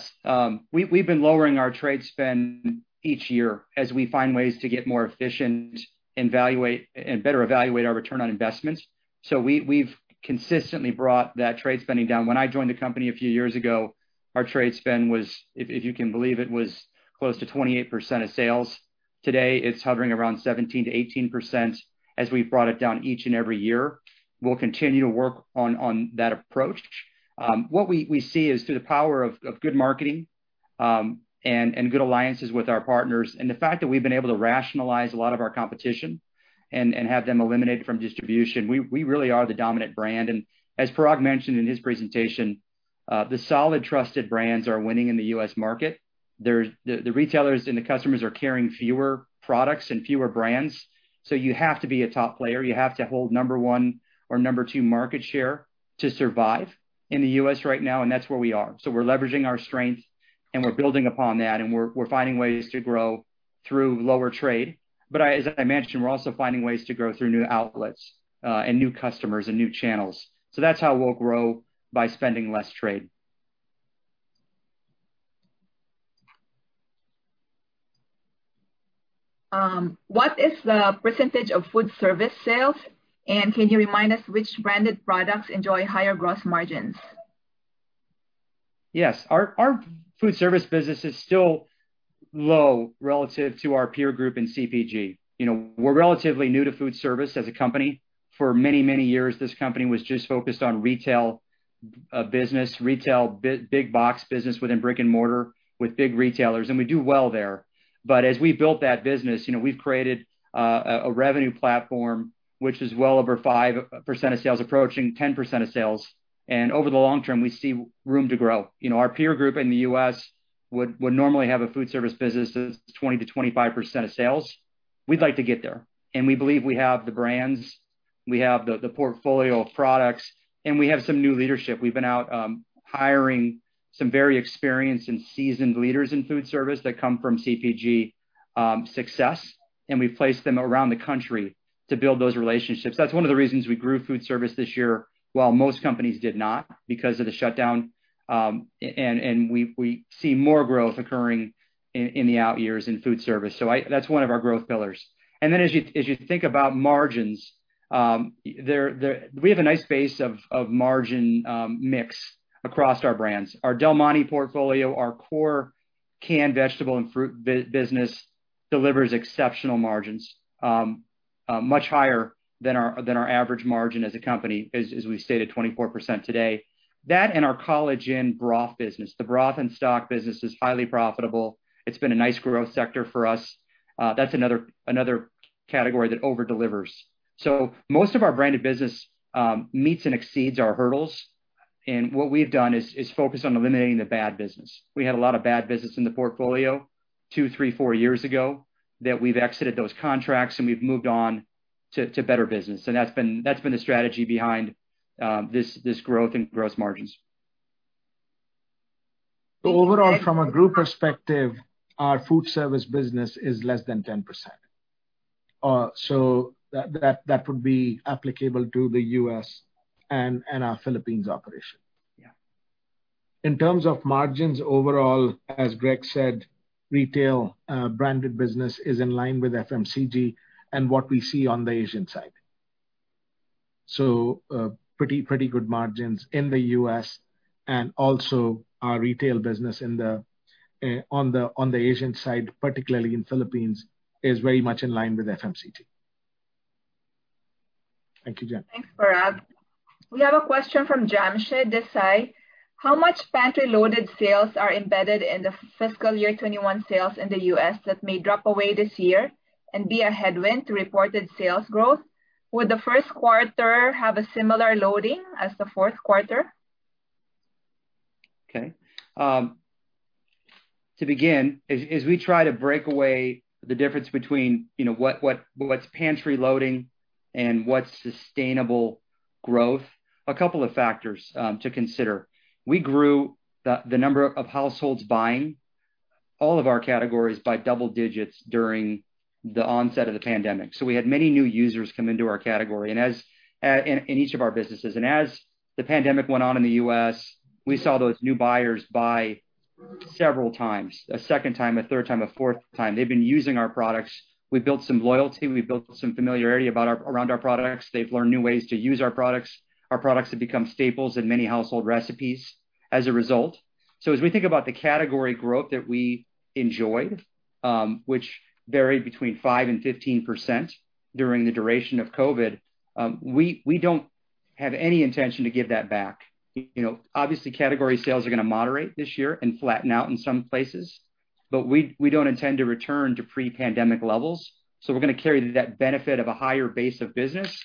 We've been lowering our trade spend each year as we find ways to get more efficient and better evaluate our return on investment. We've consistently brought that trade spending down. When I joined the company a few years ago, our trade spend was, if you can believe, it was close to 28% of sales. Today, it's hovering around 17%-18% as we brought it down each and every year. We'll continue to work on that approach. What we see is through the power of good marketing and good alliances with our partners and the fact that we've been able to rationalize a lot of our competition and have them eliminated from distribution. We really are the dominant brand. As Parag mentioned in his presentation, the solid trusted brands are winning in the U.S. market. The retailers and the customers are carrying fewer products and fewer brands. You have to be a top player. You have to hold number one or number two market share to survive in the U.S. right now, and that's where we are. We're leveraging our strength and we're building upon that and we're finding ways to grow through lower trade. As I mentioned, we're also finding ways to grow through new outlets and new customers and new channels. That's how we'll grow by spending less trade. What is the percentage of food service sales, and can you remind us which branded products enjoy higher gross margins? Yes. Our food service business is still low relative to our peer group in CPG. We're relatively new to food service as a company. For many, many years, this company was just focused on retail business, retail big box business within brick and mortar with big retailers. We do well there. As we built that business, we've created a revenue platform which is well over 5% of sales, approaching 10% of sales. Over the long term, we see room to grow. Our peer group in the U.S. would normally have a food service business that's 20%-25% of sales. We'd like to get there, and we believe we have the brands. We have the portfolio of products, and we have some new leadership. We've been out hiring some very experienced and seasoned leaders in food service that come from CPG success, and we place them around the country to build those relationships. That's one of the reasons we grew food service this year while most companies did not, because of the shutdown. We see more growth occurring in the out years in food service. That's one of our growth pillars. As you think about margins, we have a nice base of margin mix across our brands. Our Del Monte portfolio, our core canned vegetable and fruit business delivers exceptional margins, much higher than our average margin as a company, as we stated, 24% today. That and our College Inn broth business. The broth and stock business is highly profitable. It's been a nice growth sector for us. That's another category that over-delivers. Most of our branded business meets and exceeds our hurdles, and what we've done is focus on eliminating the bad business. We had a lot of bad business in the portfolio two, three, four years ago that we've exited those contracts, and we've moved on to better business. That's been the strategy behind this growth and gross margins. Overall, from a group perspective, our food service business is less than 10%. That would be applicable to the U.S. and our Philippines operation. Yeah. In terms of margins overall, as Greg said, retail branded business is in line with FMCG and what we see on the Asian side. Pretty good margins in the U.S. and also our retail business on the Asian side, particularly in Philippines, is very much in line with FMCG. Thank you, Jen. Thanks, Parag. We have a question from James. Should they say how much pantry-loaded sales are embedded in the fiscal year 2021 sales in the U.S. that may drop away this year and be a headwind to reported sales growth? Would the first quarter have a similar loading as the fourth quarter? Okay. To begin, as we try to break away the difference between what's pantry loading and what's sustainable growth, a couple of factors to consider. We grew the number of households buying all of our categories by double digits during the onset of the pandemic. We had many new users come into our category and in each of our businesses. As the pandemic went on in the U.S., we saw those new buyers buy several times, a second time, a third time, a fourth time. They've been using our products. We've built some loyalty. We've built some familiarity around our products. They've learned new ways to use our products. Our products have become staples in many household recipes as a result. As we think about the category growth that we enjoyed, which varied between 5% and 15% during the duration of COVID, we don't have any intention to give that back. Obviously, category sales are going to moderate this year and flatten out in some places, but we don't intend to return to pre-pandemic levels. We're going to carry that benefit of a higher base of business,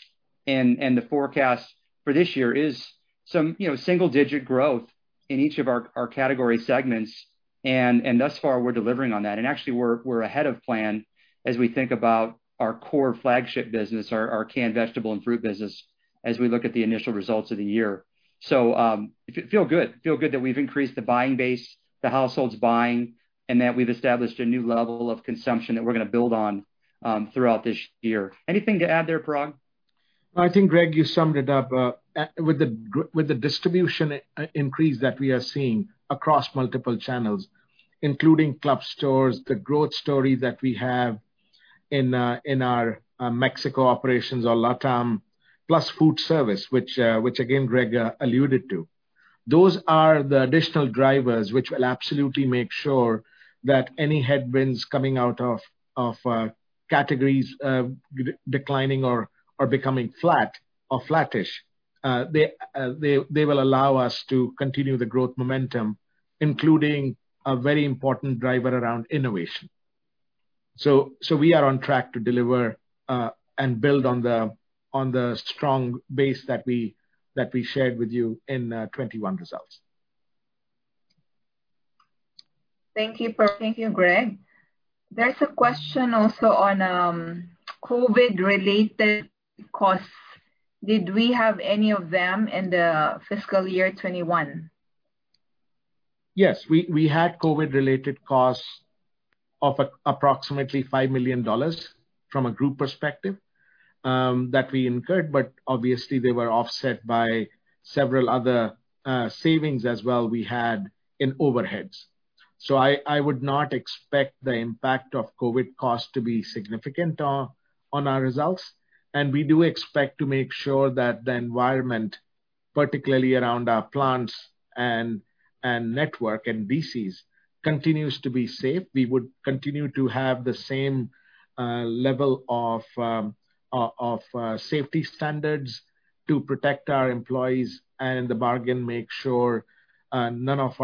and the forecast for this year is some single-digit growth in each of our category segments. Thus far, we're delivering on that. Actually, we're ahead of plan as we think about our core flagship business, our canned vegetable and fruit business, as we look at the initial results of the year. Feel good that we've increased the buying base, the households buying, and that we've established a new level of consumption that we're going to build on throughout this year. Anything to add there, Parag? I think, Greg, you summed it up. With the distribution increase that we are seeing across multiple channels, including club stores, the growth story that we have in our Mexico operations or LATAM, plus food service, which again, Greg alluded to. Those are the additional drivers which will absolutely make sure that any headwinds coming out of categories declining or becoming flat or flattish, they will allow us to continue the growth momentum, including a very important driver around innovation. We are on track to deliver and build on the strong base that we shared with you in 2021 results. Thank you, Parag. Thank you, Greg. There is a question also on COVID-related costs. Did we have any of them in the fiscal year 2021? Yes, we had COVID-related costs of approximately $5 million from a group perspective that we incurred, obviously they were offset by several other savings as well we had in overheads. I would not expect the impact of COVID costs to be significant on our results, and we do expect to make sure that the environment, particularly around our plants and network and DCs, continues to be safe. We would continue to have the same level of safety standards to protect our employees and in the bargain make sure none of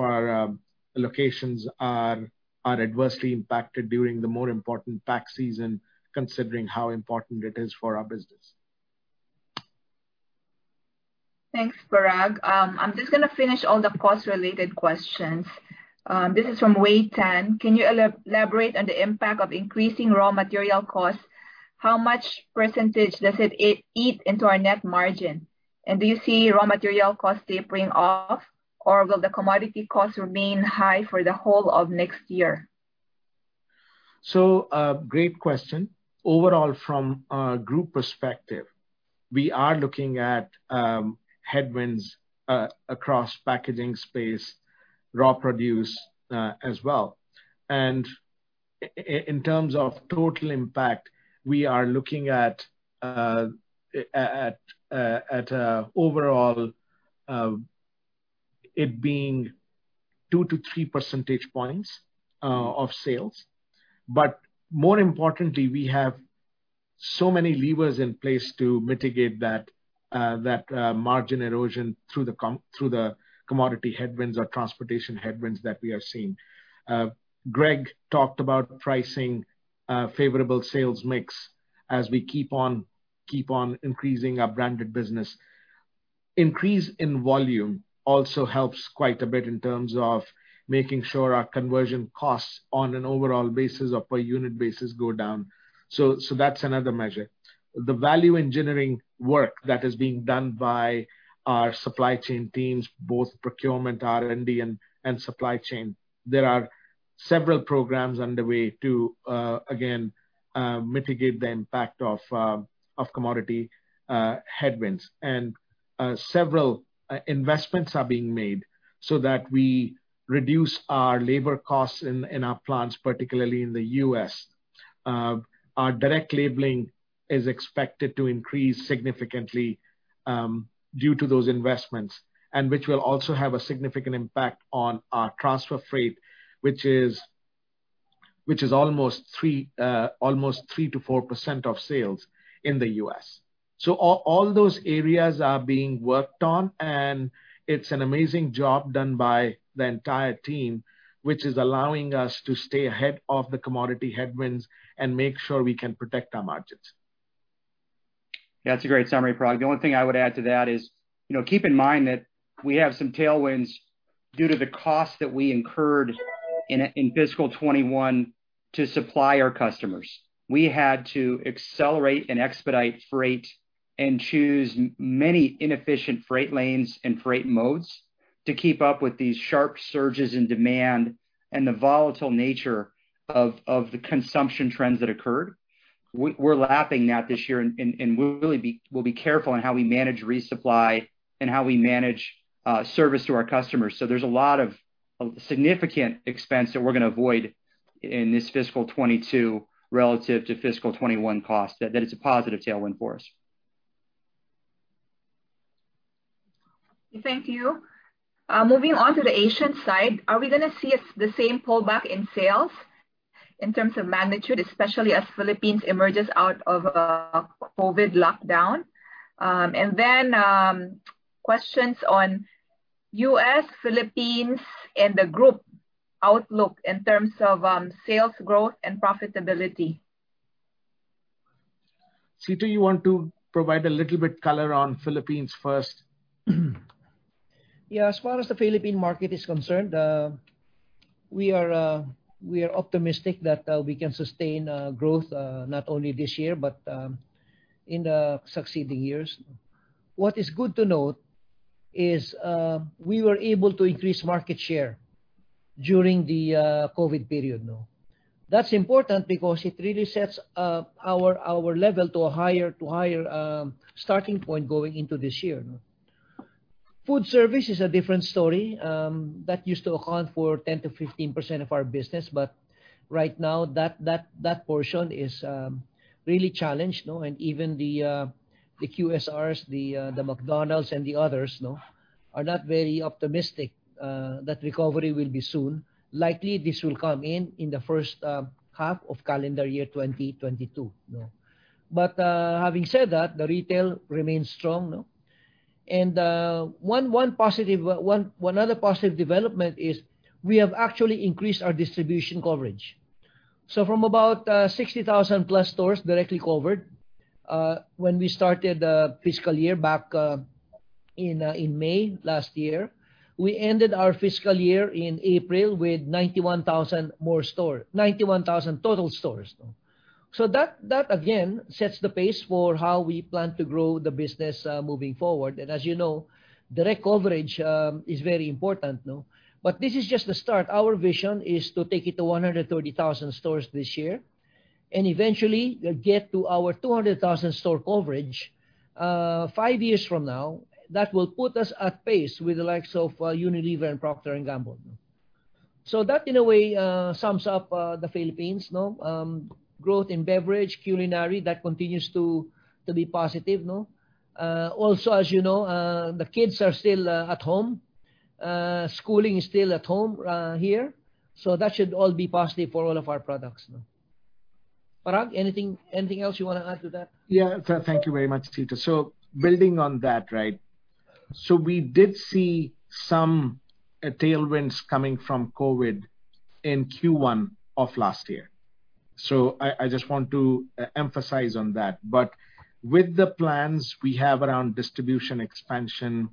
our locations are adversely impacted during the more important pack season, considering how important it is for our business. Thanks, Parag. I'm just going to finish all the cost-related questions. This is from Wei Tan. Can you elaborate on the impact of increasing raw material costs? How much percentage does it eat into our net margin? Do you see raw material costs tapering off, or will the commodity costs remain high for the whole of next year? Great question. Overall, from a group perspective, we are looking at headwinds across packaging space, raw produce as well. In terms of total impact, we are looking at overall it being two to three percentage points of sales. More importantly, we have so many levers in place to mitigate that margin erosion through the commodity headwinds or transportation headwinds that we are seeing. Greg talked about pricing favorable sales mix as we keep on increasing our branded business. Increase in volume also helps quite a bit in terms of making sure our conversion costs on an overall basis or per unit basis go down. That's another measure. The value engineering work that is being done by our supply chain teams, both procurement, R&D, and supply chain. There are several programs underway to, again, mitigate the impact of commodity headwinds. Several investments are being made so that we reduce our labor costs in our plants, particularly in the U.S. Our direct labeling is expected to increase significantly due to those investments, and which will also have a significant impact on our transfer freight, which is almost 3%-4% of sales in the U.S. All those areas are being worked on, and it's an amazing job done by the entire team, which is allowing us to stay ahead of the commodity headwinds and make sure we can protect our margins. That's a great summary, Parag. The only thing I would add to that is keep in mind that we have some tailwinds due to the cost that we incurred in fiscal 2021 to supply our customers. We had to accelerate and expedite freight and choose many inefficient freight lanes and freight modes to keep up with these sharp surges in demand and the volatile nature of the consumption trends that occurred. We're lapping that this year, and we'll be careful in how we manage resupply and how we manage service to our customers. There's a lot of significant expense that we're going to avoid in this fiscal 2022 relative to fiscal 2021 cost that is a positive tailwind for us. Thank you. Moving on to the Asian side, are we going to see the same pullback in sales in terms of magnitude, especially as Philippines emerges out of a COVID lockdown? Questions on U.S., Philippines, and the group outlook in terms of sales growth and profitability. Cito, you want to provide a little bit color on Philippines first? As far as the Philippine Market is concerned, we are optimistic that we can sustain growth not only this year but in succeeding years. What is good to note is we were able to increase market share during the COVID period. That is important because it really sets our level to a higher starting point going into this year. Food service is a different story. That used to account for 10%-15% of our business, but right now that portion is really challenged. Even the QSRs, the McDonald's and the others are not very optimistic that recovery will be soon. Likely, this will come in in the first half of calendar year 2022. Having said that, the retail remains strong. Another positive development is we have actually increased our distribution coverage. From about 60,000-plus stores directly covered when we started fiscal year back in May last year, we ended our fiscal year in April with 91,000 total stores. That, again, sets the pace for how we plan to grow the business moving forward. As you know, direct coverage is very important. This is just a start. Our vision is to take it to 130,000 stores this year and eventually get to our 200,000 store coverage five years from now. That will put us at pace with the likes of Unilever and Procter & Gamble. That, in a way, sums up the Philippines. Growth in beverage, culinary, that continues to be positive. Also, as you know, the kids are still at home. Schooling is still at home here. That should all be positive for all of our products. Parag, anything else you want to add to that? Yeah. Thank you very much, Cito. Building on that, we did see some tailwinds coming from COVID in Q1 of last year. I just want to emphasize on that. With the plans we have around distribution expansion,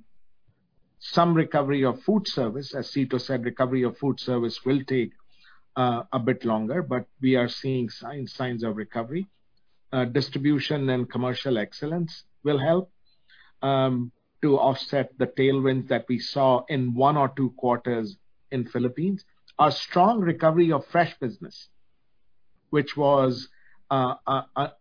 some recovery of food service, as Cito said, recovery of food service will take a bit longer, but we are seeing signs of recovery. Distribution and commercial excellence will help to offset the tailwind that we saw in one or two quarters in Philippines. A strong recovery of fresh business, which was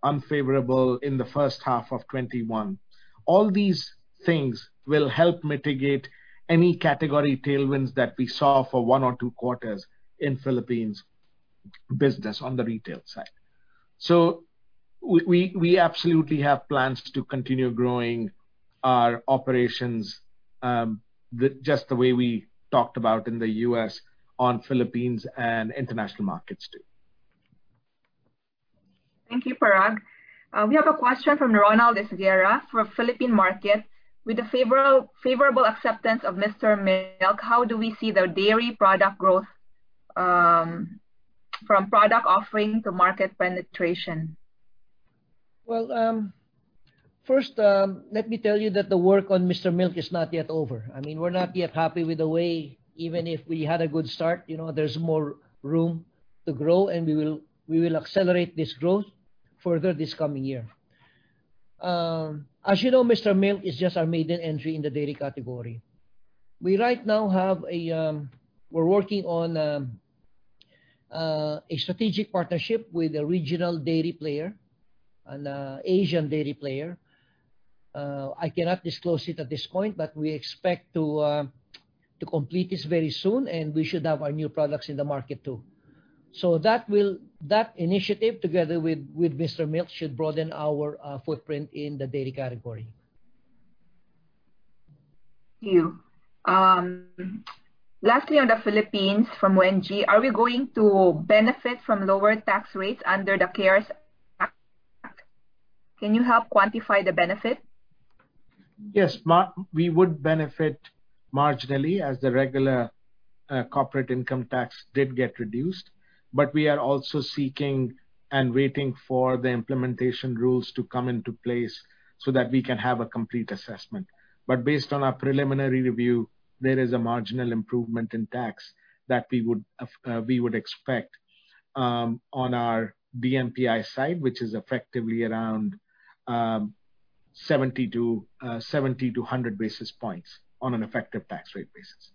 unfavorable in the first half of 2021. All these things will help mitigate any category tailwinds that we saw for one or two quarters in Philippines business on the retail side. We absolutely have plans to continue growing our operations just the way we talked about in the U.S. on Philippines and international markets too. Thank you, Parag. We have a question from Ronald Esguerra from Philippine Market. With the favorable acceptance of Mr. Milk, how do we see their dairy product growth from product offering to market penetration? Well, first, let me tell you that the work on Mr. Milk is not yet over. Even if we had a good start, there's more room to grow, and we will accelerate this growth further this coming year. As you know, Mr. Milk is just our maiden entry in the dairy category. We're working on a strategic partnership with a regional dairy player, an Asian dairy player. We expect to complete this very soon, and we should have our new products in the market too. That initiative together with Mr. Milk should broaden our footprint in the dairy category. Thank you. Lastly, on the Philippines, from Wen-Jing He. Are we going to benefit from lower tax rates under the CREATE Act? Can you help quantify the benefit? Yes, we would benefit marginally as the regular corporate income tax did get reduced. But we are also seeking and waiting for the implementation rules to come into place so that we can have a complete assessment. But based on our preliminary review, there is a marginal improvement in tax that we would expect on our DMPI side, which is effectively around 70-100 basis points on an effective tax rate basis.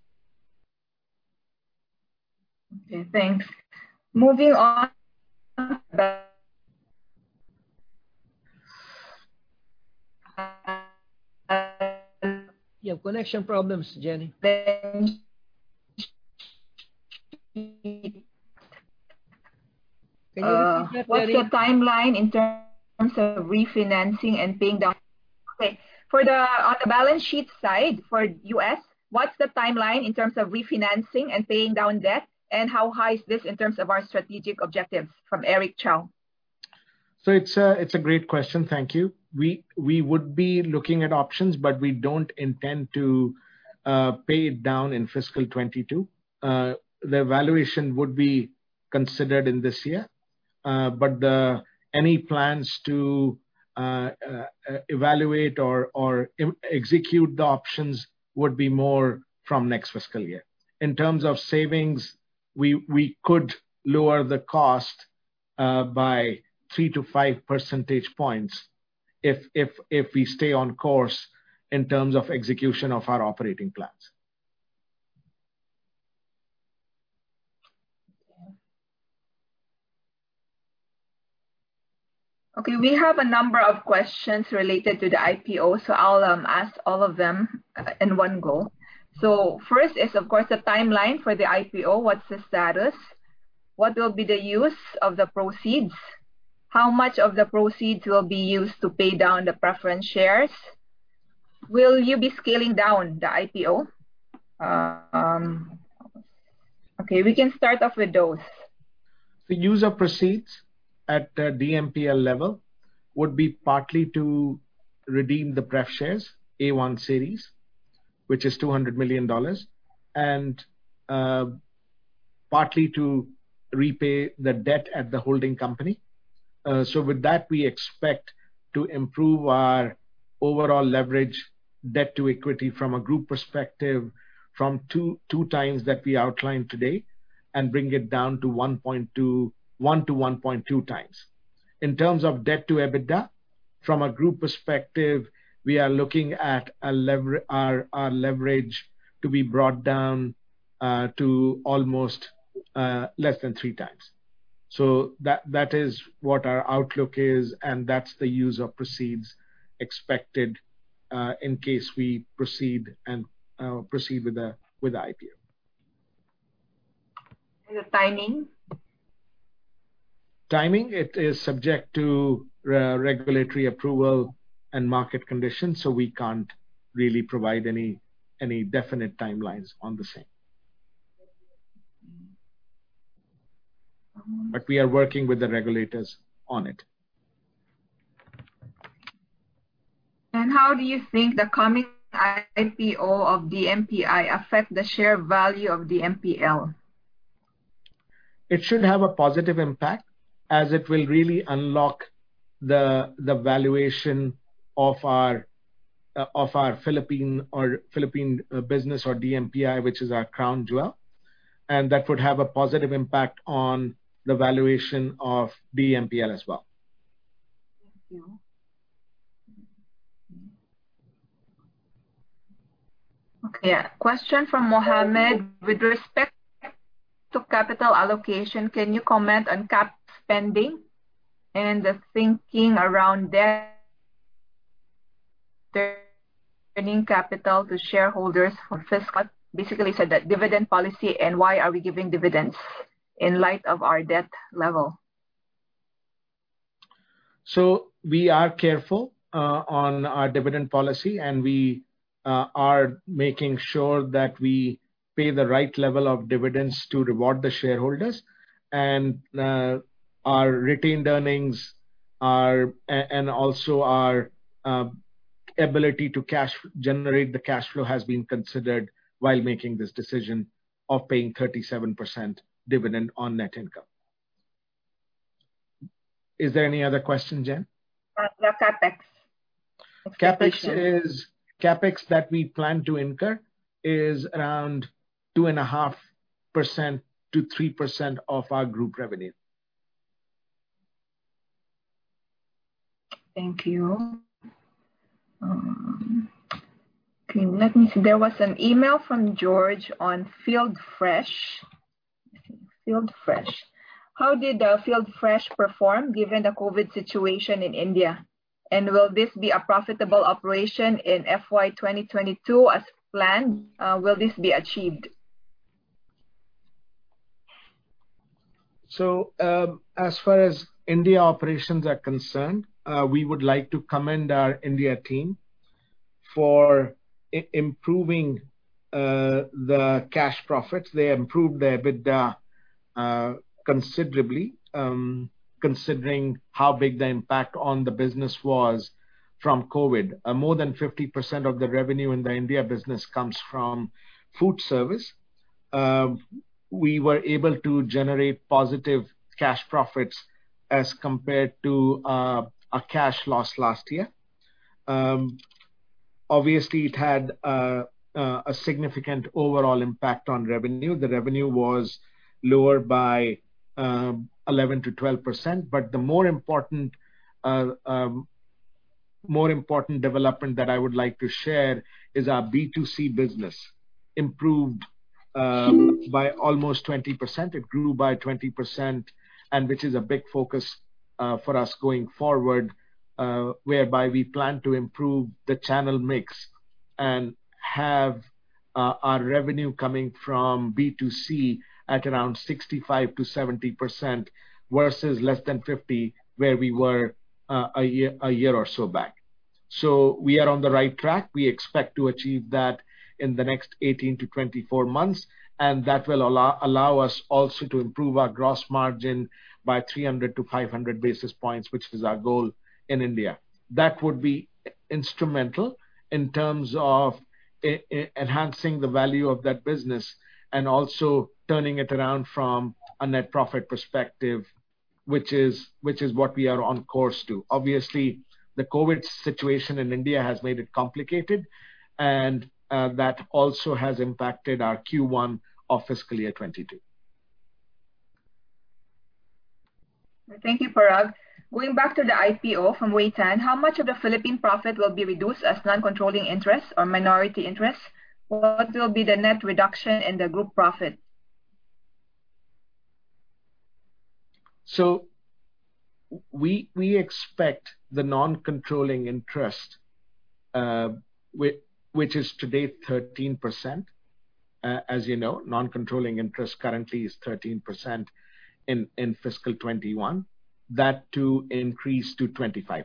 Okay, thanks. Moving on. Yeah, connection problems, Jen. What's the timeline in terms of refinancing and paying down? Okay. On the balance sheet side for U.S., what's the timeline in terms of refinancing and paying down debt, and how high is this in terms of our strategic objectives? From Eric Chow. It's a great question. Thank you. We would be looking at options, but we don't intend to pay it down in fiscal 2022. The evaluation would be considered in this year. Any plans to evaluate or execute the options would be more from next fiscal year. In terms of savings, we could lower the cost by three to five percentage points if we stay on course in terms of execution of our operating plans. Okay. We have a number of questions related to the IPO. I'll ask all of them in one go. First is, of course, the timeline for the IPO. What's the status? What will be the use of the proceeds? How much of the proceeds will be used to pay down the preference shares? Will you be scaling down the IPO? Okay, we can start off with those. The use of proceeds at the DMPL level would be partly to redeem the preferred shares, Series A1, which is $200 million, and partly to repay the debt at the holding company. With that, we expect to improve our overall leverage debt to equity from a group perspective from two times that we outlined today and bring it down to 1-1.2 times. In terms of debt to EBITDA, from a group perspective, we are looking at our leverage to be brought down to almost less than three times. That is what our outlook is, and that's the use of proceeds expected in case we proceed with the IPO. The timing? Timing, it is subject to regulatory approval and market conditions, so we can't really provide any definite timelines on the same. We are working with the regulators on it. How do you think the coming IPO of DMPI affect the share value of DMPL? It should have a positive impact, as it will really unlock the valuation of our Philippine business or DMPI, which is our crown jewel, and that would have a positive impact on the valuation of DMPL as well. Thank you. Okay, a question from Mohammed. With respect to capital allocation, can you comment on CapEx and the thinking around capital to shareholders. Basically, we said that dividend policy and why are we giving dividends in light of our debt level? We are careful on our dividend policy, and we are making sure that we pay the right level of dividends to reward the shareholders, and our retained earnings and also our ability to generate the cash flow has been considered while making this decision of paying 37% dividend on net income. Is there any other question, Jen? What's your CapEx? CapEx that we plan to incur is around 2.5%-3% of our group revenue. Thank you. Okay, let me see. There was an email from George on FieldFresh. How did FieldFresh perform given the COVID situation in India? Will this be a profitable operation in FY 2022 as planned? Will this be achieved? As far as India operations are concerned, we would like to commend our India team for improving the cash profits. They improved their EBITDA considerably, considering how big the impact on the business was from COVID. More than 50% of the revenue in the India business comes from food service. We were able to generate positive cash profits as compared to a cash loss last year. Obviously, it had a significant overall impact on revenue. The revenue was lower by 11%-12%, but the more important development that I would like to share is our B2C business improved by almost 20%. It grew by 20%, and which is a big focus for us going forward, whereby we plan to improve the channel mix and have our revenue coming from B2C at around 65%-70%, versus less than 50% where we were a year or so back. We are on the right track. We expect to achieve that in the next 18-24 months, and that will allow us also to improve our gross margin by 300-500 basis points, which is our goal in India. That would be instrumental in terms of enhancing the value of that business and also turning it around from a net profit perspective, which is what we are on course to. Obviously, the COVID situation in India has made it complicated, and that also has impacted our Q1 of fiscal year 2022. Thank you, Parag. Going back to the IPO from Wei Tan. How much of the Philippine profit will be reduced as non-controlling interest or minority interest? What will be the net reduction in the group profit? We expect the non-controlling interest, which is today 13%, as you know, non-controlling interest currently is 13% in fiscal 2021, that to increase to 25%.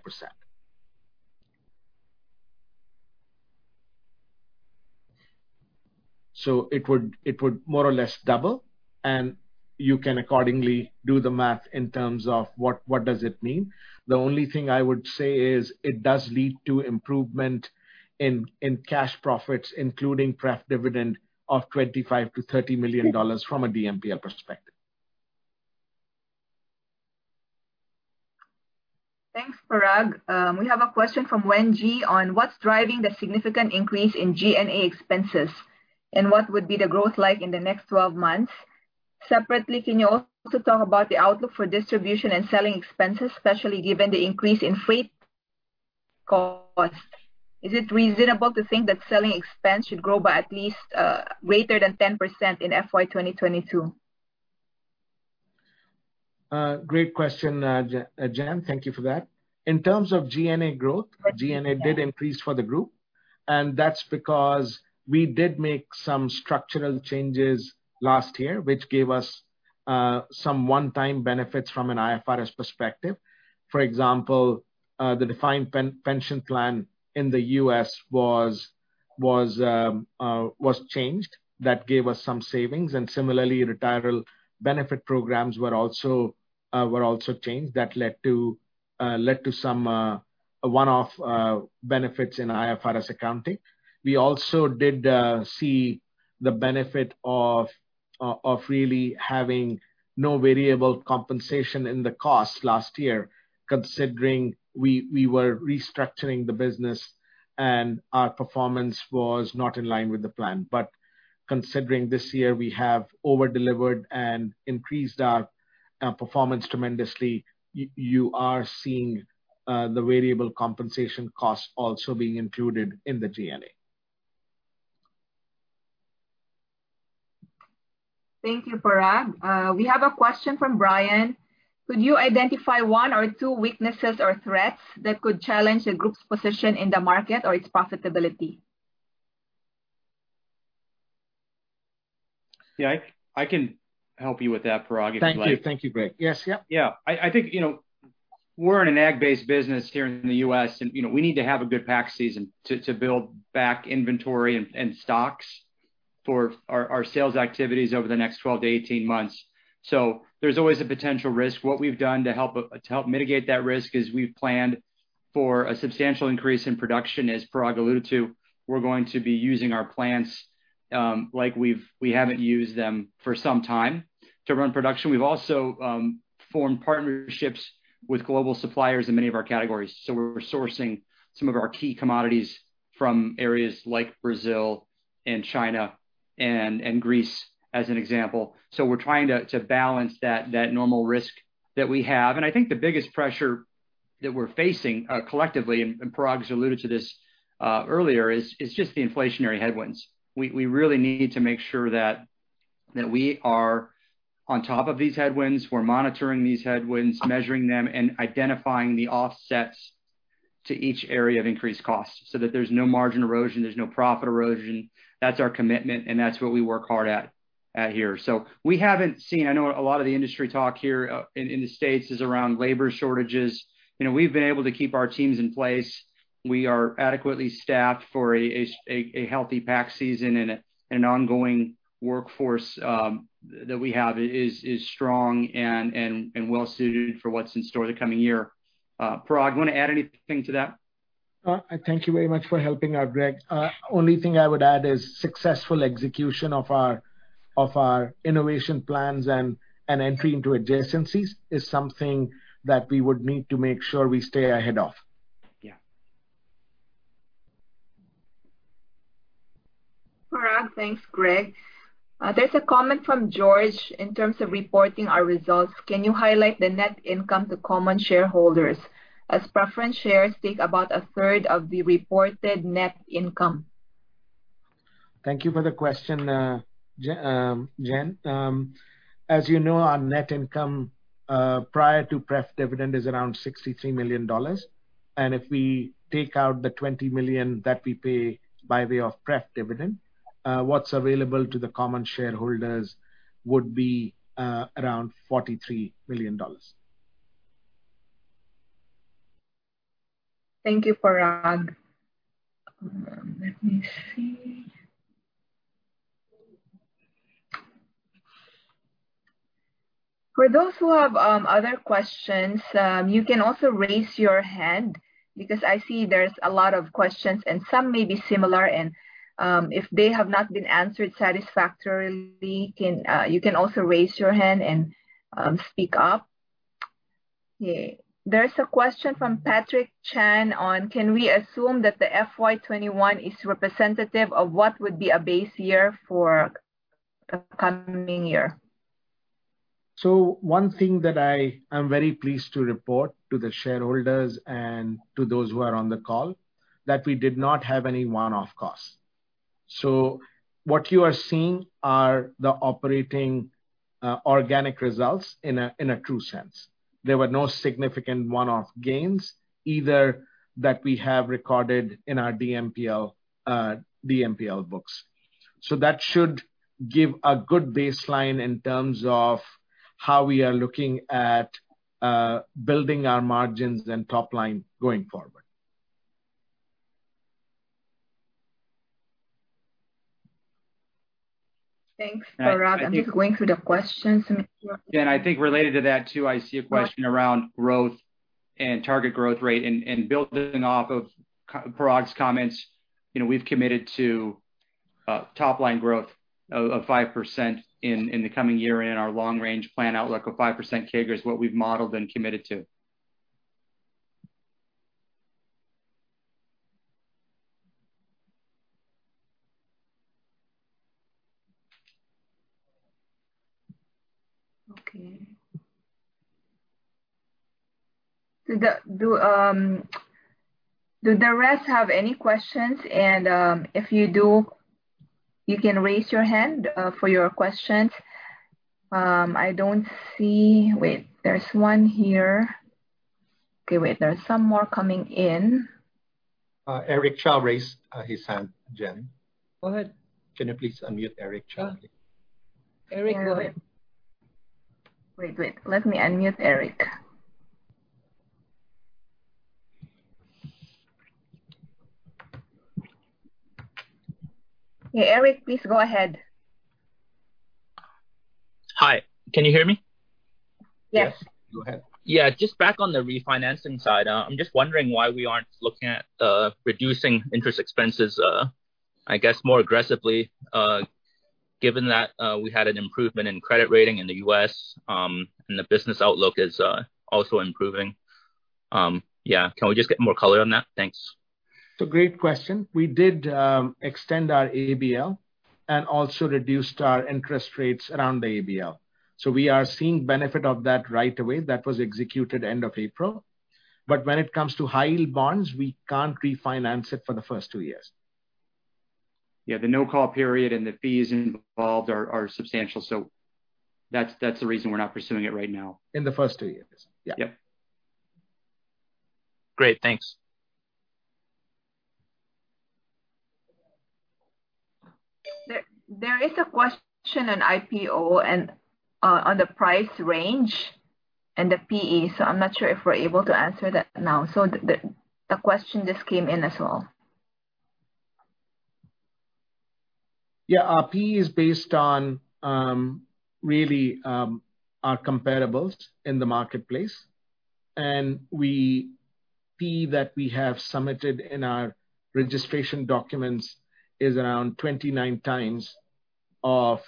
It would more or less double, and you can accordingly do the math in terms of what does it mean. The only thing I would say is it does lead to improvement in cash profits, including pref dividend of $25 million-$30 million from a DMPI perspective. Thanks, Parag. We have a question from Wen Ji on what's driving the significant increase in G&A expenses and what would be the growth like in the next 12 months. Separately, can you also talk about the outlook for distribution and selling expenses, especially given the increase in freight costs? Is it reasonable to think that selling expense should grow by at least greater than 10% in FY 2022? Great question, Jen. Thank you for that. In terms of G&A growth, G&A did increase for the group, and that's because we did make some structural changes last year, which gave us some one-time benefits from an IFRS perspective. For example, the defined pension plan in the U.S. was changed. That gave us some savings, and similarly, retirement benefit programs were also changed. That led to some one-off benefits in IFRS accounting. We also did see the benefit of really having no variable compensation in the cost last year, considering we were restructuring the business, and our performance was not in line with the plan. Considering this year, we have over-delivered and increased our performance tremendously, you are seeing the variable compensation cost also being included in the G&A. Thank you, Parag. We have a question from Brian: Could you identify one or two weaknesses or threats that could challenge the group's position in the market or its profitability? Yeah. I can help you with that, Parag, if you'd like. Thank you, Greg. Yes. I think, we're an ag-based business here in the U.S., we need to have a good pack season to build back inventory and stocks for our sales activities over the next 12 to 18 months. There's always a potential risk. What we've done to help mitigate that risk is we've planned for a substantial increase in production, as Parag alluded to. We're going to be using our plants like we haven't used them for some time to run production. We've also formed partnerships with global suppliers in many of our categories, so we're sourcing some of our key commodities from areas like Brazil, China, and Greece, as an example. We're trying to balance that normal risk that we have. I think the biggest pressure that we're facing collectively, and Parag's alluded to this earlier, is just the inflationary headwinds. We really need to make sure that we are on top of these headwinds. We're monitoring these headwinds, measuring them, and identifying the offsets to each area of increased cost so that there's no margin erosion, there's no profit erosion. That's our commitment. That's what we work hard at here. We haven't seen. I know a lot of the industry talk here in the U.S. is around labor shortages. We've been able to keep our teams in place. We are adequately staffed for a healthy pack season. An ongoing workforce that we have is strong and well-suited for what's in store the coming year. Parag, you want to add anything to that? Thank you very much for helping out, Greg. Only thing I would add is successful execution of our innovation plans and entry into adjacencies is something that we would need to make sure we stay ahead of. Yeah. Parag. Thanks, Greg. There is a comment from George in terms of reporting our results. Can you highlight the net income to common shareholders? As preference shares take about a third of the reported net income. Thank you for the question, Jen. As you know, our net income, prior to pref dividend, is around $63 million. If we take out the $20 million that we pay by way of pref dividend, what's available to the common shareholders would be around $43 million. Thank you, Parag. Let me see. For those who have other questions, you can also raise your hand because I see there's a lot of questions, and some may be similar, and if they have not been answered satisfactorily, you can also raise your hand and speak up. There's a question from Patrick Chan. Can we assume that the FY 2021 is representative of what would be a base year for the coming year? One thing that I am very pleased to report to the shareholders and to those who are on the call, that we did not have any one-off costs. What you are seeing are the operating organic results in a true sense. There were no significant one-off gains either that we have recorded in our DMPL books. That should give a good baseline in terms of how we are looking at building our margins and top line going forward. Thanks, Parag. If you can go into the questions in the- I think related to that too, I see a question around growth and target growth rate and building off of Parag's comments. We've committed to top-line growth of 5% in the coming year in our long-range plan outlook of 5% CAGR is what we've modeled and committed to. Okay. Do the rest have any questions? If you do, you can raise your hand for your questions. I don't see, wait, there's one here. Okay, wait, there's some more coming in. Eric Chow raised his hand, Jen. Go ahead. Can you please unmute Eric Chow? Eric, go ahead. Wait, let me unmute Eric. Yeah, Eric, please go ahead. Hi. Can you hear me? Yes. Yes. Go ahead. Yeah. Just back on the refinancing side. I'm just wondering why we aren't looking at reducing interest expenses, I guess more aggressively, given that we had an improvement in credit rating in the U.S., and the business outlook is also improving. Yeah. Can we just get more color on that? Thanks. It's a great question. We did extend our ABL and also reduced our interest rates around the ABL. We are seeing benefit of that right away. That was executed end of April. When it comes to high-yield bonds, we can't refinance it for the first two years. Yeah, the non-call period and the fees involved are substantial. That's the reason we're not pursuing it right now. In the first two years. Yeah. Yep. Great. Thanks. There is a question on IPO and on the price range and the PE, so I'm not sure if we're able to answer that now. The question just came in as well. Yeah, our PE is based on really our comparables in the marketplace. PE that we have submitted in our registration documents is around 29 times of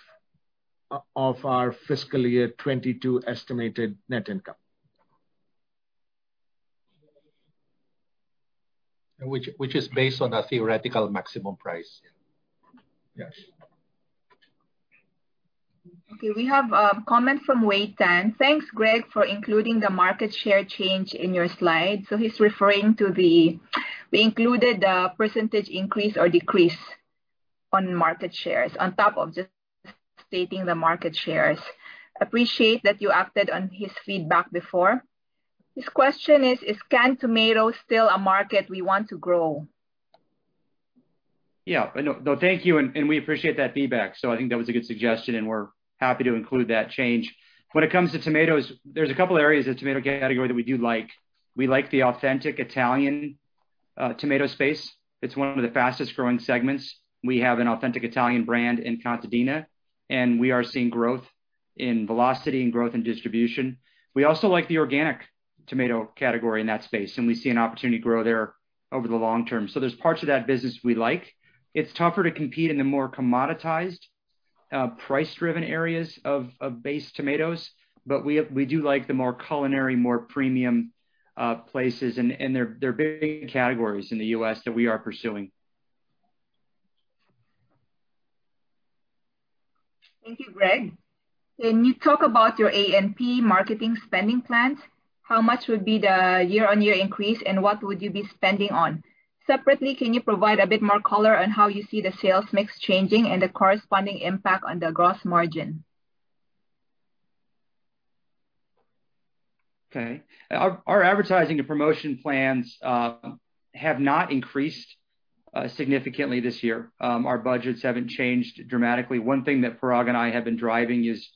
our FY 2022 estimated net income, which is based on a theoretical maximum price. Yes. Okay. We have a comment from Wei Tan. "Thanks, Greg, for including the market share change in your slides." He's referring to the included percentage increase or decrease on market shares on top of just stating the market shares. Appreciate that you acted on his feedback before. His question is, "Is canned tomato still a market we want to grow? No, thank you, and we appreciate that feedback. I think that was a good suggestion, and we're happy to include that change. When it comes to tomatoes, there's two areas of tomato category that we do like. We like the authentic Italian tomato space. It's one of the fastest-growing segments. We have an authentic Italian brand in Contadina, and we are seeing growth in velocity and growth in distribution. We also like the organic tomato category in that space, and we see an opportunity to grow there over the long term. There's parts of that business we like. It's tougher to compete in a more commoditized, price-driven areas of base tomatoes. We do like the more culinary, more premium places, and they're big categories in the U.S. that we are pursuing. Thank you, Greg. Can you talk about your A&P marketing spending plans? How much would be the year-on-year increase, and what would you be spending on? Separately, can you provide a bit more color on how you see the sales mix changing and the corresponding impact on the gross margin? Okay. Our advertising and promotion plans have not increased significantly this year. Our budgets haven't changed dramatically. One thing that Parag and I have been driving is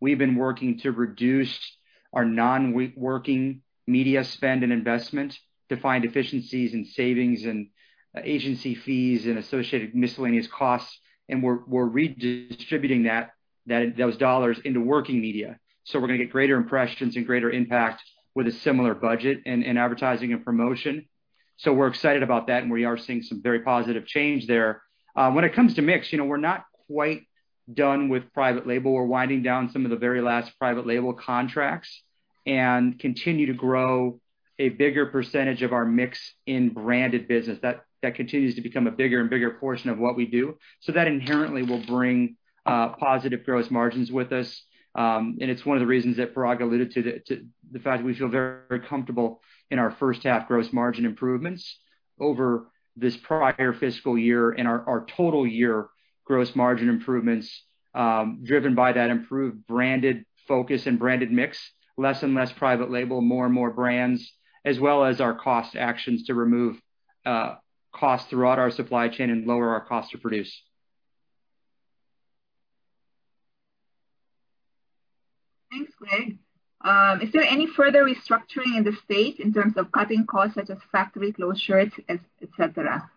we've been working to reduce our non-working media spend and investment to find efficiencies and savings in agency fees and associated miscellaneous costs, we're redistributing those dollars into working media. We're going to get greater impressions and greater impact with a similar budget in advertising and promotion. We're excited about that, and we are seeing some very positive change there. When it comes to mix, we're not quite done with private label. We're winding down some of the very last private label contracts and continue to grow a bigger percentage of our mix in branded business. That continues to become a bigger and bigger portion of what we do. That inherently will bring positive gross margins with us. It's one of the reasons that Parag alluded to the fact we feel very comfortable in our first half gross margin improvements over this prior fiscal year and our total year gross margin improvements driven by that improved branded focus and branded mix, less and less private label, more and more brands, as well as our cost actions to remove costs throughout our supply chain and lower our cost to produce. Thanks, Greg. "Is there any further restructuring in the state in terms of cutting costs as a factory closure, et cetera?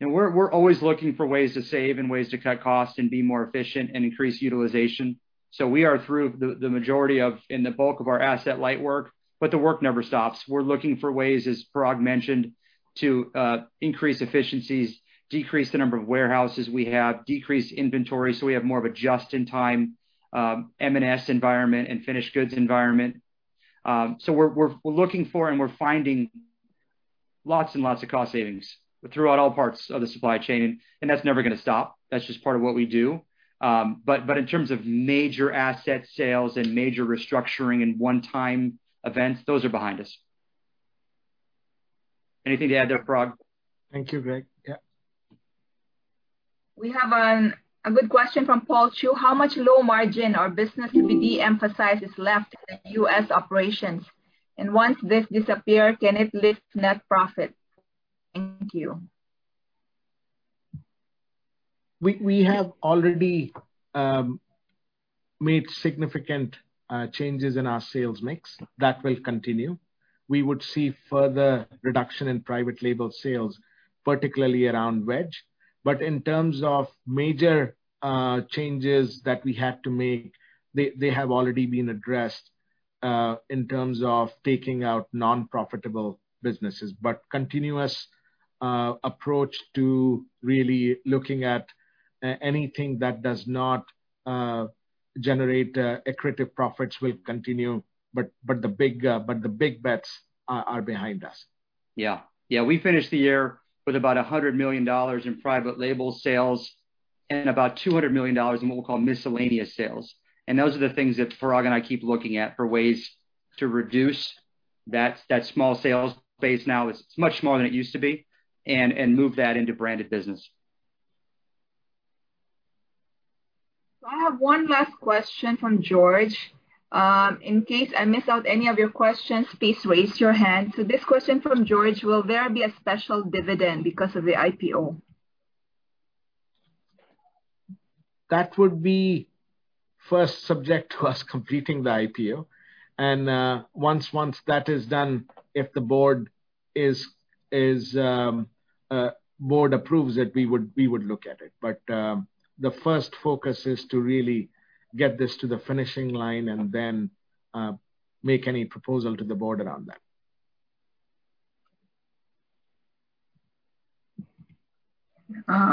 We're always looking for ways to save and ways to cut costs and be more efficient and increase utilization. We are through the majority of and the bulk of our asset-light work, but the work never stops. We're looking for ways, as Parag mentioned, to increase efficiencies, decrease the number of warehouses we have, decrease inventory, so we have more of a just-in-time M&S environment and finished goods environment. We're looking for, and we're finding lots and lots of cost savings throughout all parts of the supply chain, and that's never going to stop. That's just part of what we do. In terms of major asset sales and major restructuring and one-time events, those are behind us. Anything to add there, Parag? Thank you, Greg. Yeah. We have a good question from Paul Chew. "How much low margin or business in the de-emphasized is left in U.S. operations? Once this disappear, can it lift net profit? Thank you. We have already made significant changes in our sales mix. That will continue. We would see further reduction in private label sales, particularly around veg. In terms of major changes that we had to make, they have already been addressed in terms of taking out non-profitable businesses. Continuous approach to really looking at anything that does not generate accretive profits will continue, but the big bets are behind us. Yeah. We finished the year with about $100 million in private label sales and about $200 million in what we call miscellaneous sales. Those are the things that Parag and I keep looking at for ways to reduce that small sales base now is much more than it used to be and move that into branded business. I have one last question from George. In case I missed out any other questions, please raise your hand. This question from George, "Will there be a special dividend because of the IPO? That would be first subject to us completing the IPO. Once that is done, if the board approves it, we would look at it. The first focus is to really get this to the finishing line and then make any proposal to the board around that.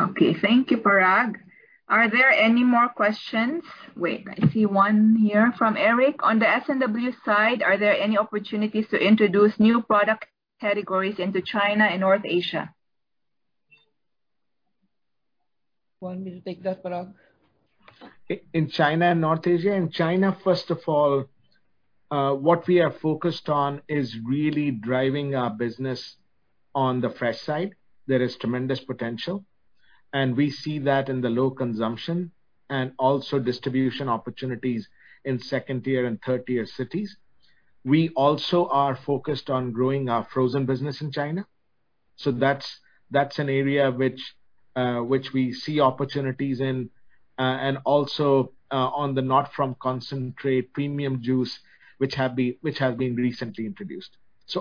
Okay. Thank you, Parag. Are there any more questions? Wait, I see one here from Eric. "On the S&W side, are there any opportunities to introduce new product categories into China and North Asia?" Want me to take that, Parag? In China and North Asia. In China, first of all, what we are focused on is really driving our business on the fresh side. There is tremendous potential. We see that in the low consumption and also distribution opportunities in tier 2 and tier 3 cities. We also are focused on growing our frozen business in China. That's an area which we see opportunities in. Also on the not from concentrate premium juice, which have been recently introduced.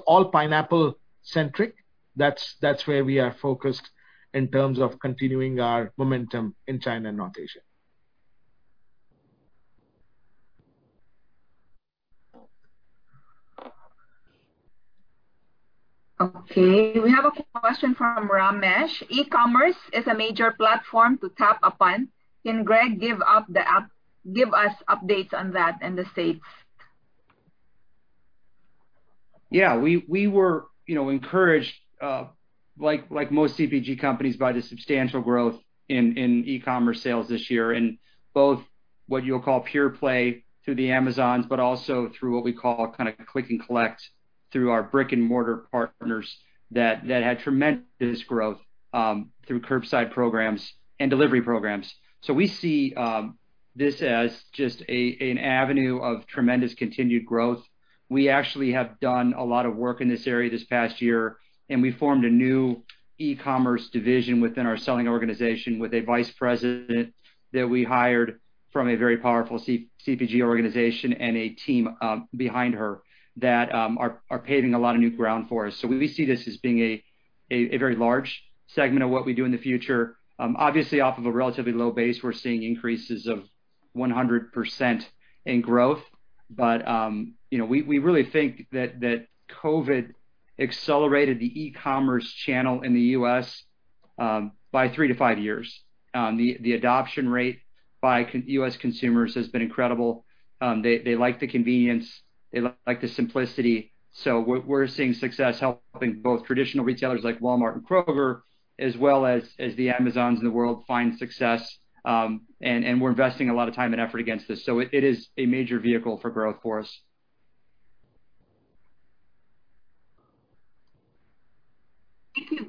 All pineapple centric. That's where we are focused in terms of continuing our momentum in China and North Asia. Okay. We have a question from Ramesh. "E-commerce is a major platform to tap upon. Can Greg give us updates on that in the U.S.? We were encouraged, like most CPG companies, by the substantial growth in e-commerce sales this year in both what you'll call pure play through the Amazon, but also through what we call kind of click and collect through our brick and mortar partners that had tremendous growth through curbside programs and delivery programs. We see this as just an avenue of tremendous continued growth. We actually have done a lot of work in this area this past year, and we formed a new e-commerce division within our selling organization with a vice president that we hired from a very powerful CPG organization and a team behind her that are paving a lot of new ground for us. We see this as being a very large segment of what we do in the future. Obviously, off of a relatively low base, we're seeing increases of 100% in growth. We really think that COVID accelerated the e-commerce channel in the U.S. by three to five years. The adoption rate by U.S. consumers has been incredible. They like the convenience. They like the simplicity. We're seeing success helping both traditional retailers like Walmart and Kroger, as well as the Amazons of the world find success. We're investing a lot of time and effort against this. It is a major vehicle for growth for us.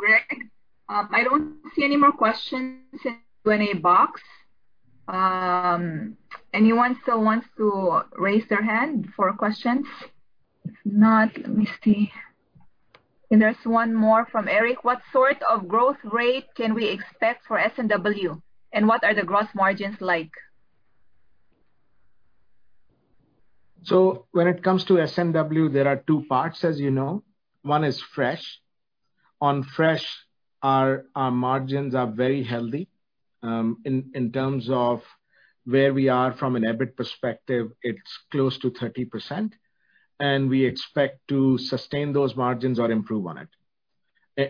Thank you, Greg. I don't see any more questions in the box. Anyone still wants to raise their hand for questions? If not, let me see. There's one more from Eric. "What sort of growth rate can we expect for S&W, and what are the gross margins like? When it comes to S&W, there are two parts, as you know. One is fresh. On fresh, our margins are very healthy. In terms of where we are from an EBIT perspective, it's close to 30%, and we expect to sustain those margins or improve on it.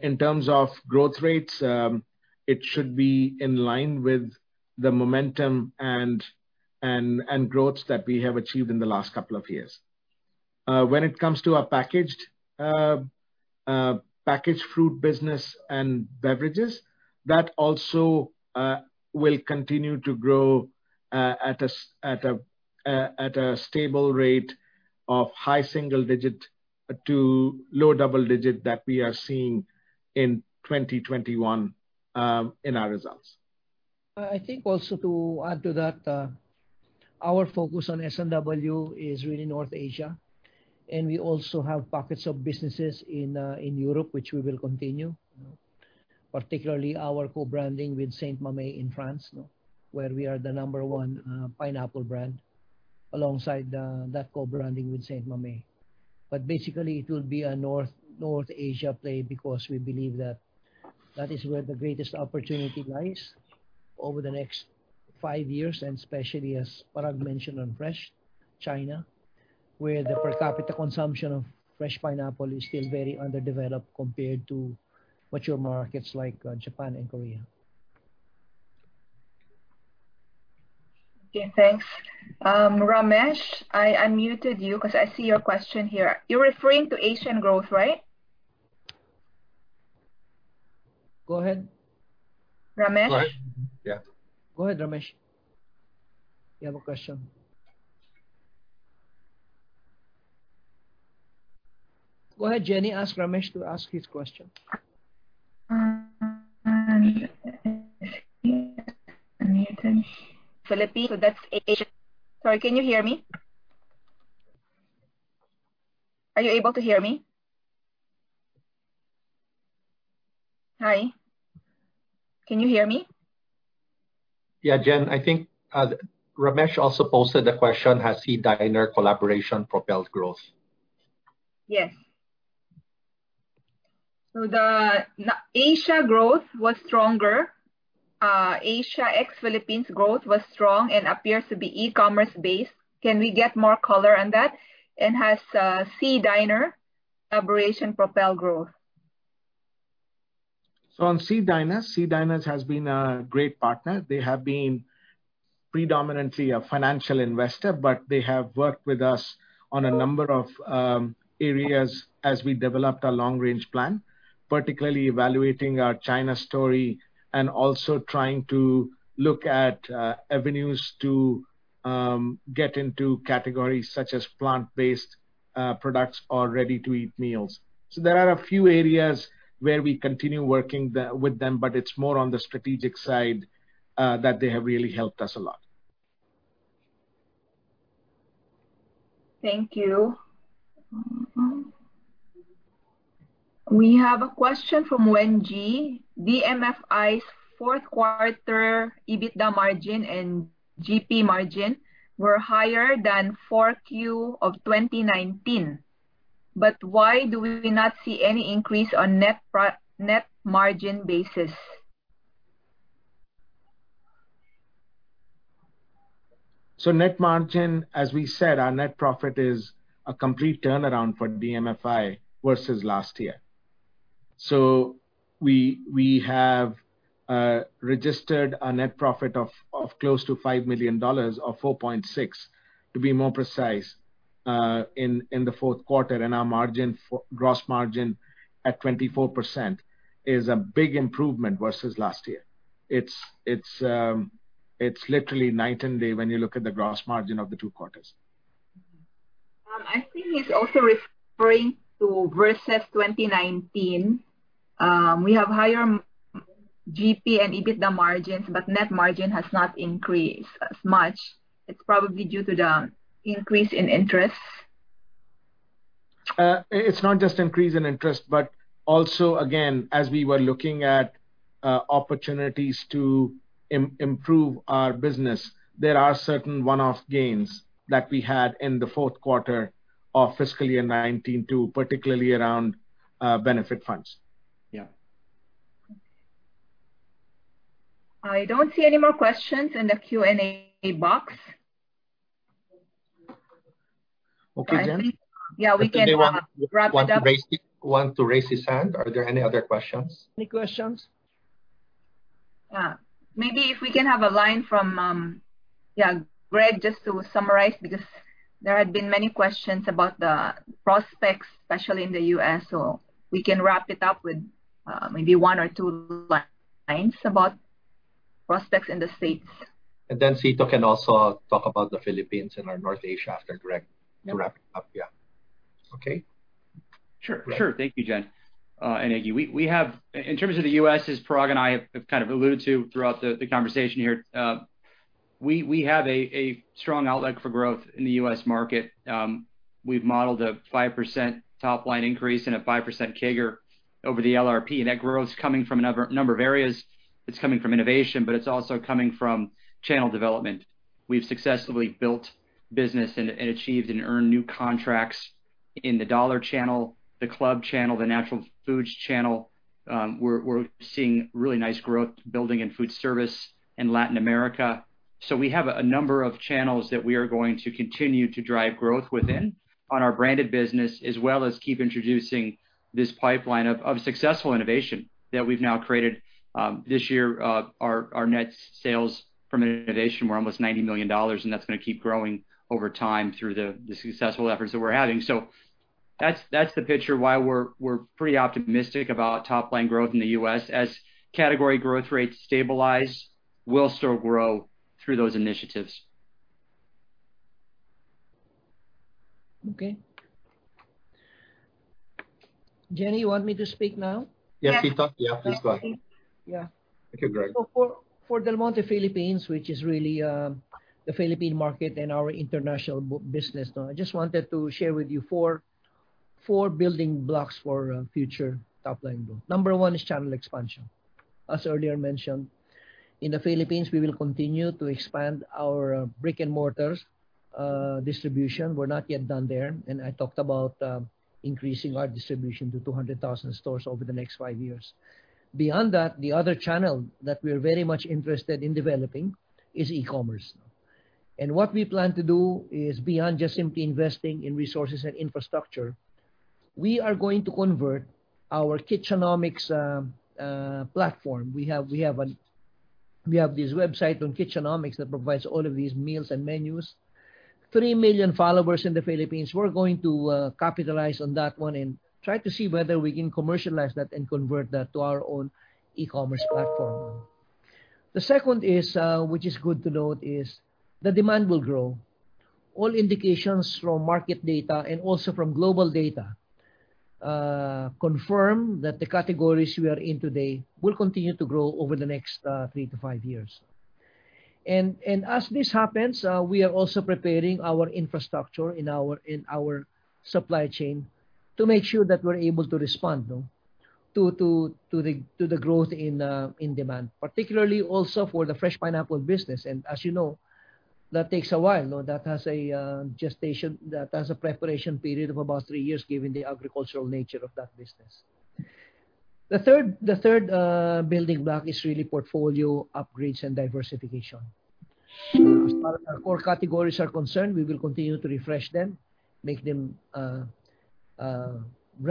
In terms of growth rates, it should be in line with the momentum and growth that we have achieved in the last couple of years. When it comes to our packaged fruit business and beverages, that also will continue to grow at a stable rate of high single-digit to low double-digit that we are seeing in 2021 in our results. I think also to add to that. Our focus on S&W is really North Asia. We also have pockets of businesses in Europe, which we will continue. Particularly our co-branding with St Mamet in France, where we are the number one pineapple brand, alongside that co-branding with St Mamet. Basically, it will be a North Asia play because we believe that is where the greatest opportunity lies over the next five years, and especially as Parag mentioned on fresh China, where the per capita consumption of fresh pineapple is still very underdeveloped compared to mature markets like Japan and Korea. Okay, thanks. Ramesh, I unmuted you because I see your question here. You're referring to Asian growth, right? Go ahead. Ramesh? Go ahead, Ramesh. You have a question. Go ahead, Jennifer, ask Ramesh to ask his question. Philippines, so that's Asia. Sorry, can you hear me? Are you able to hear me? Hi, can you hear me? Yeah, Jen, I think Ramesh also posted the question: Has SEA Diner collaboration propelled growth? Yes. The Asia growth was stronger. Asia ex-Philippines growth was strong and appears to be e-commerce based. Can we get more color on that? Has SEA Diner collaboration propelled growth? On SEA Diner, SEA Diner has been a great partner. They have been predominantly a financial investor, but they have worked with us on a number of areas as we developed our long-range plan, particularly evaluating our China story and also trying to look at avenues to get into categories such as plant-based products or ready-to-eat meals. There are a few areas where we continue working with them, but it's more on the strategic side that they have really helped us a lot. Thank you. We have a question from Wen Ji. DMFI's fourth quarter EBITDA margin and GP margin were higher than Q4 of 2019. Why do we not see any increase on net margin basis? Net margin, as we said, our net profit is a complete turnaround for DMFI versus last year. We have registered a net profit of close to $5 million, or $4.6 million, to be more precise, in the fourth quarter, and our gross margin at 24% is a big improvement versus last year. It's literally night and day when you look at the gross margin of the two quarters. I think he's also referring to versus 2019. We have higher GP and EBITDA margins. Net margin has not increased as much. It's probably due to the increase in interest. It's not just increase in interest, but also, again, as we were looking at opportunities to improve our business, there are certain one-off gains that we had in the fourth quarter of FY 2019 too, particularly around benefit funds. I don't see any more questions in the Q&A box. Okay, Jen. Yeah, we can wrap it up. Anyone want to raise his hand? Are there any other questions? Any questions? Maybe if we can have a line from Greg just to summarize, because there have been many questions about the prospects, especially in the U.S. We can wrap it up with maybe one or two lines about prospects in the States. Cito can also talk about the Philippines and our North Asia after Greg. We can wrap it up, yeah. Okay? Thank you, Jen and AG. In terms of the U.S., as Parag and I have kind of alluded to throughout the conversation here, we have a strong outlook for growth in the U.S. market. We've modeled a 5% top line increase and a 5% CAGR over the LRP. That growth is coming from a number of areas. It's coming from innovation, it's also coming from channel development. We've successfully built business and achieved and earned new contracts in the dollar channel, the club channel, the natural foods channel. We're seeing really nice growth building in food service in Latin America. We have a number of channels that we are going to continue to drive growth within on our branded business, as well as keep introducing this pipeline of successful innovation that we've now created. This year, our net sales from innovation were almost $90 million. That's going to keep growing over time through the successful efforts that we're having. That's the picture why we're pretty optimistic about top line growth in the U.S. As category growth rates stabilize, we'll still grow through those initiatives. Okay. Jen, you want me to speak now? Yeah, please talk. Yeah. Okay, Greg. For Del Monte Philippines, which is really the Philippine market and our international business. I just wanted to share with you four building blocks for future top-line build. Number one is channel expansion. As earlier mentioned, in the Philippines, we will continue to expand our brick-and-mortar distribution. We're not yet done there. I talked about increasing our distribution to 200,000 stores over the next five years. Beyond that, the other channel that we're very much interested in developing is e-commerce. What we plan to do is beyond just simply investing in resources and infrastructure, we are going to convert our Kitchenomics platform. We have this website on Kitchenomics that provides all of these meals and menus, 3 million followers in the Philippines. We're going to capitalize on that one and try to see whether we can commercialize that and convert that to our own e-commerce platform. The second, which is good to note, is the demand will grow. All indications from market data and also from global data confirm that the categories we are in today will continue to grow over the next three to five years. As this happens, we are also preparing our infrastructure and our supply chain to make sure that we're able to respond to the growth in demand, particularly also for the fresh pineapple business. As you know, that takes a while. That has a preparation period of about three years given the agricultural nature of that business. The third building block is really portfolio upgrades and diversification. As far as our core categories are concerned, we will continue to refresh them, make them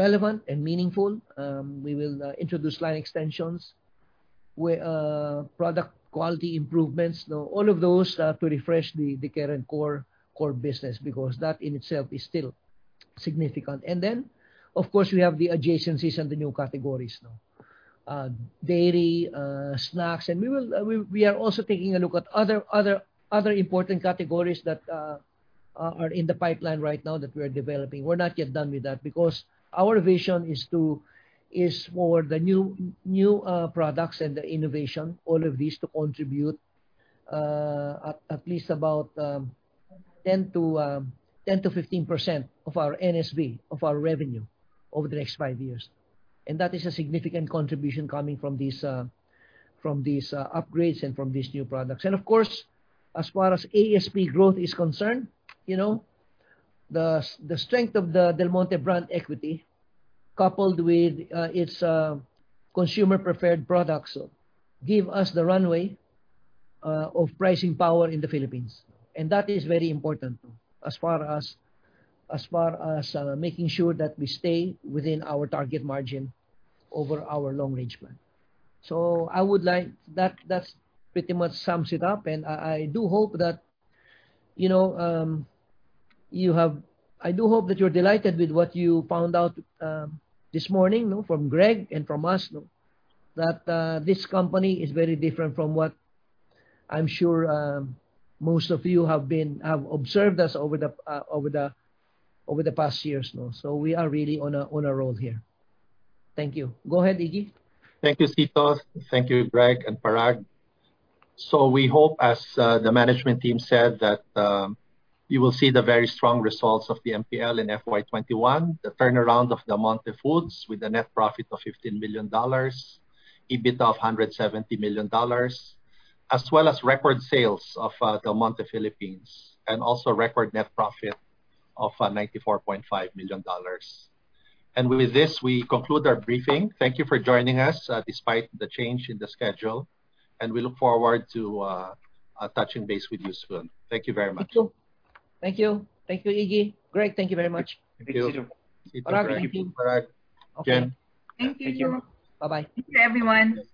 relevant and meaningful. We will introduce line extensions, product quality improvements. All of those to refresh the current core business, because that in itself is still significant. Then, of course, we have the adjacencies and the new categories now. Dairy, snacks, we are also taking a look at other important categories that are in the pipeline right now that we're developing. We're not yet done with that because our vision is for the new products and the innovation, all of these, to contribute at least about 10%-15% of our NSV, of our revenue over the next five years. That is a significant contribution coming from these upgrades and from these new products. Of course, as far as ASP growth is concerned, the strength of the Del Monte brand equity, coupled with its consumer-preferred products, give us the runway of pricing power in the Philippines. That is very important too, as far as making sure that we stay within our target margin over our long-range plan. That pretty much sums it up, and I do hope that you're delighted with what you found out this morning from Greg and from us. This company is very different from what I'm sure most of you have observed us over the past years. We are really on a roll here. Thank you. Go ahead, Iggy. Thank you, Cito. Thank you, Greg and Parag. We hope, as the management team said, that you will see the very strong results of DMPL in FY 2021, the turnaround of Del Monte Foods with a net profit of $15 million, EBIT of $170 million, as well as record sales of Del Monte Philippines, and also record net profit of $94.5 million. With this, we conclude our briefing. Thank you for joining us, despite the change in the schedule, and we look forward to touching base with you soon. Thank you very much. Thank you. Thank you, Iggy. Greg, thank you very much. Thank you, Cito. Parag, thank you. Parag. Thank you. Bye-bye. Take care, everyone.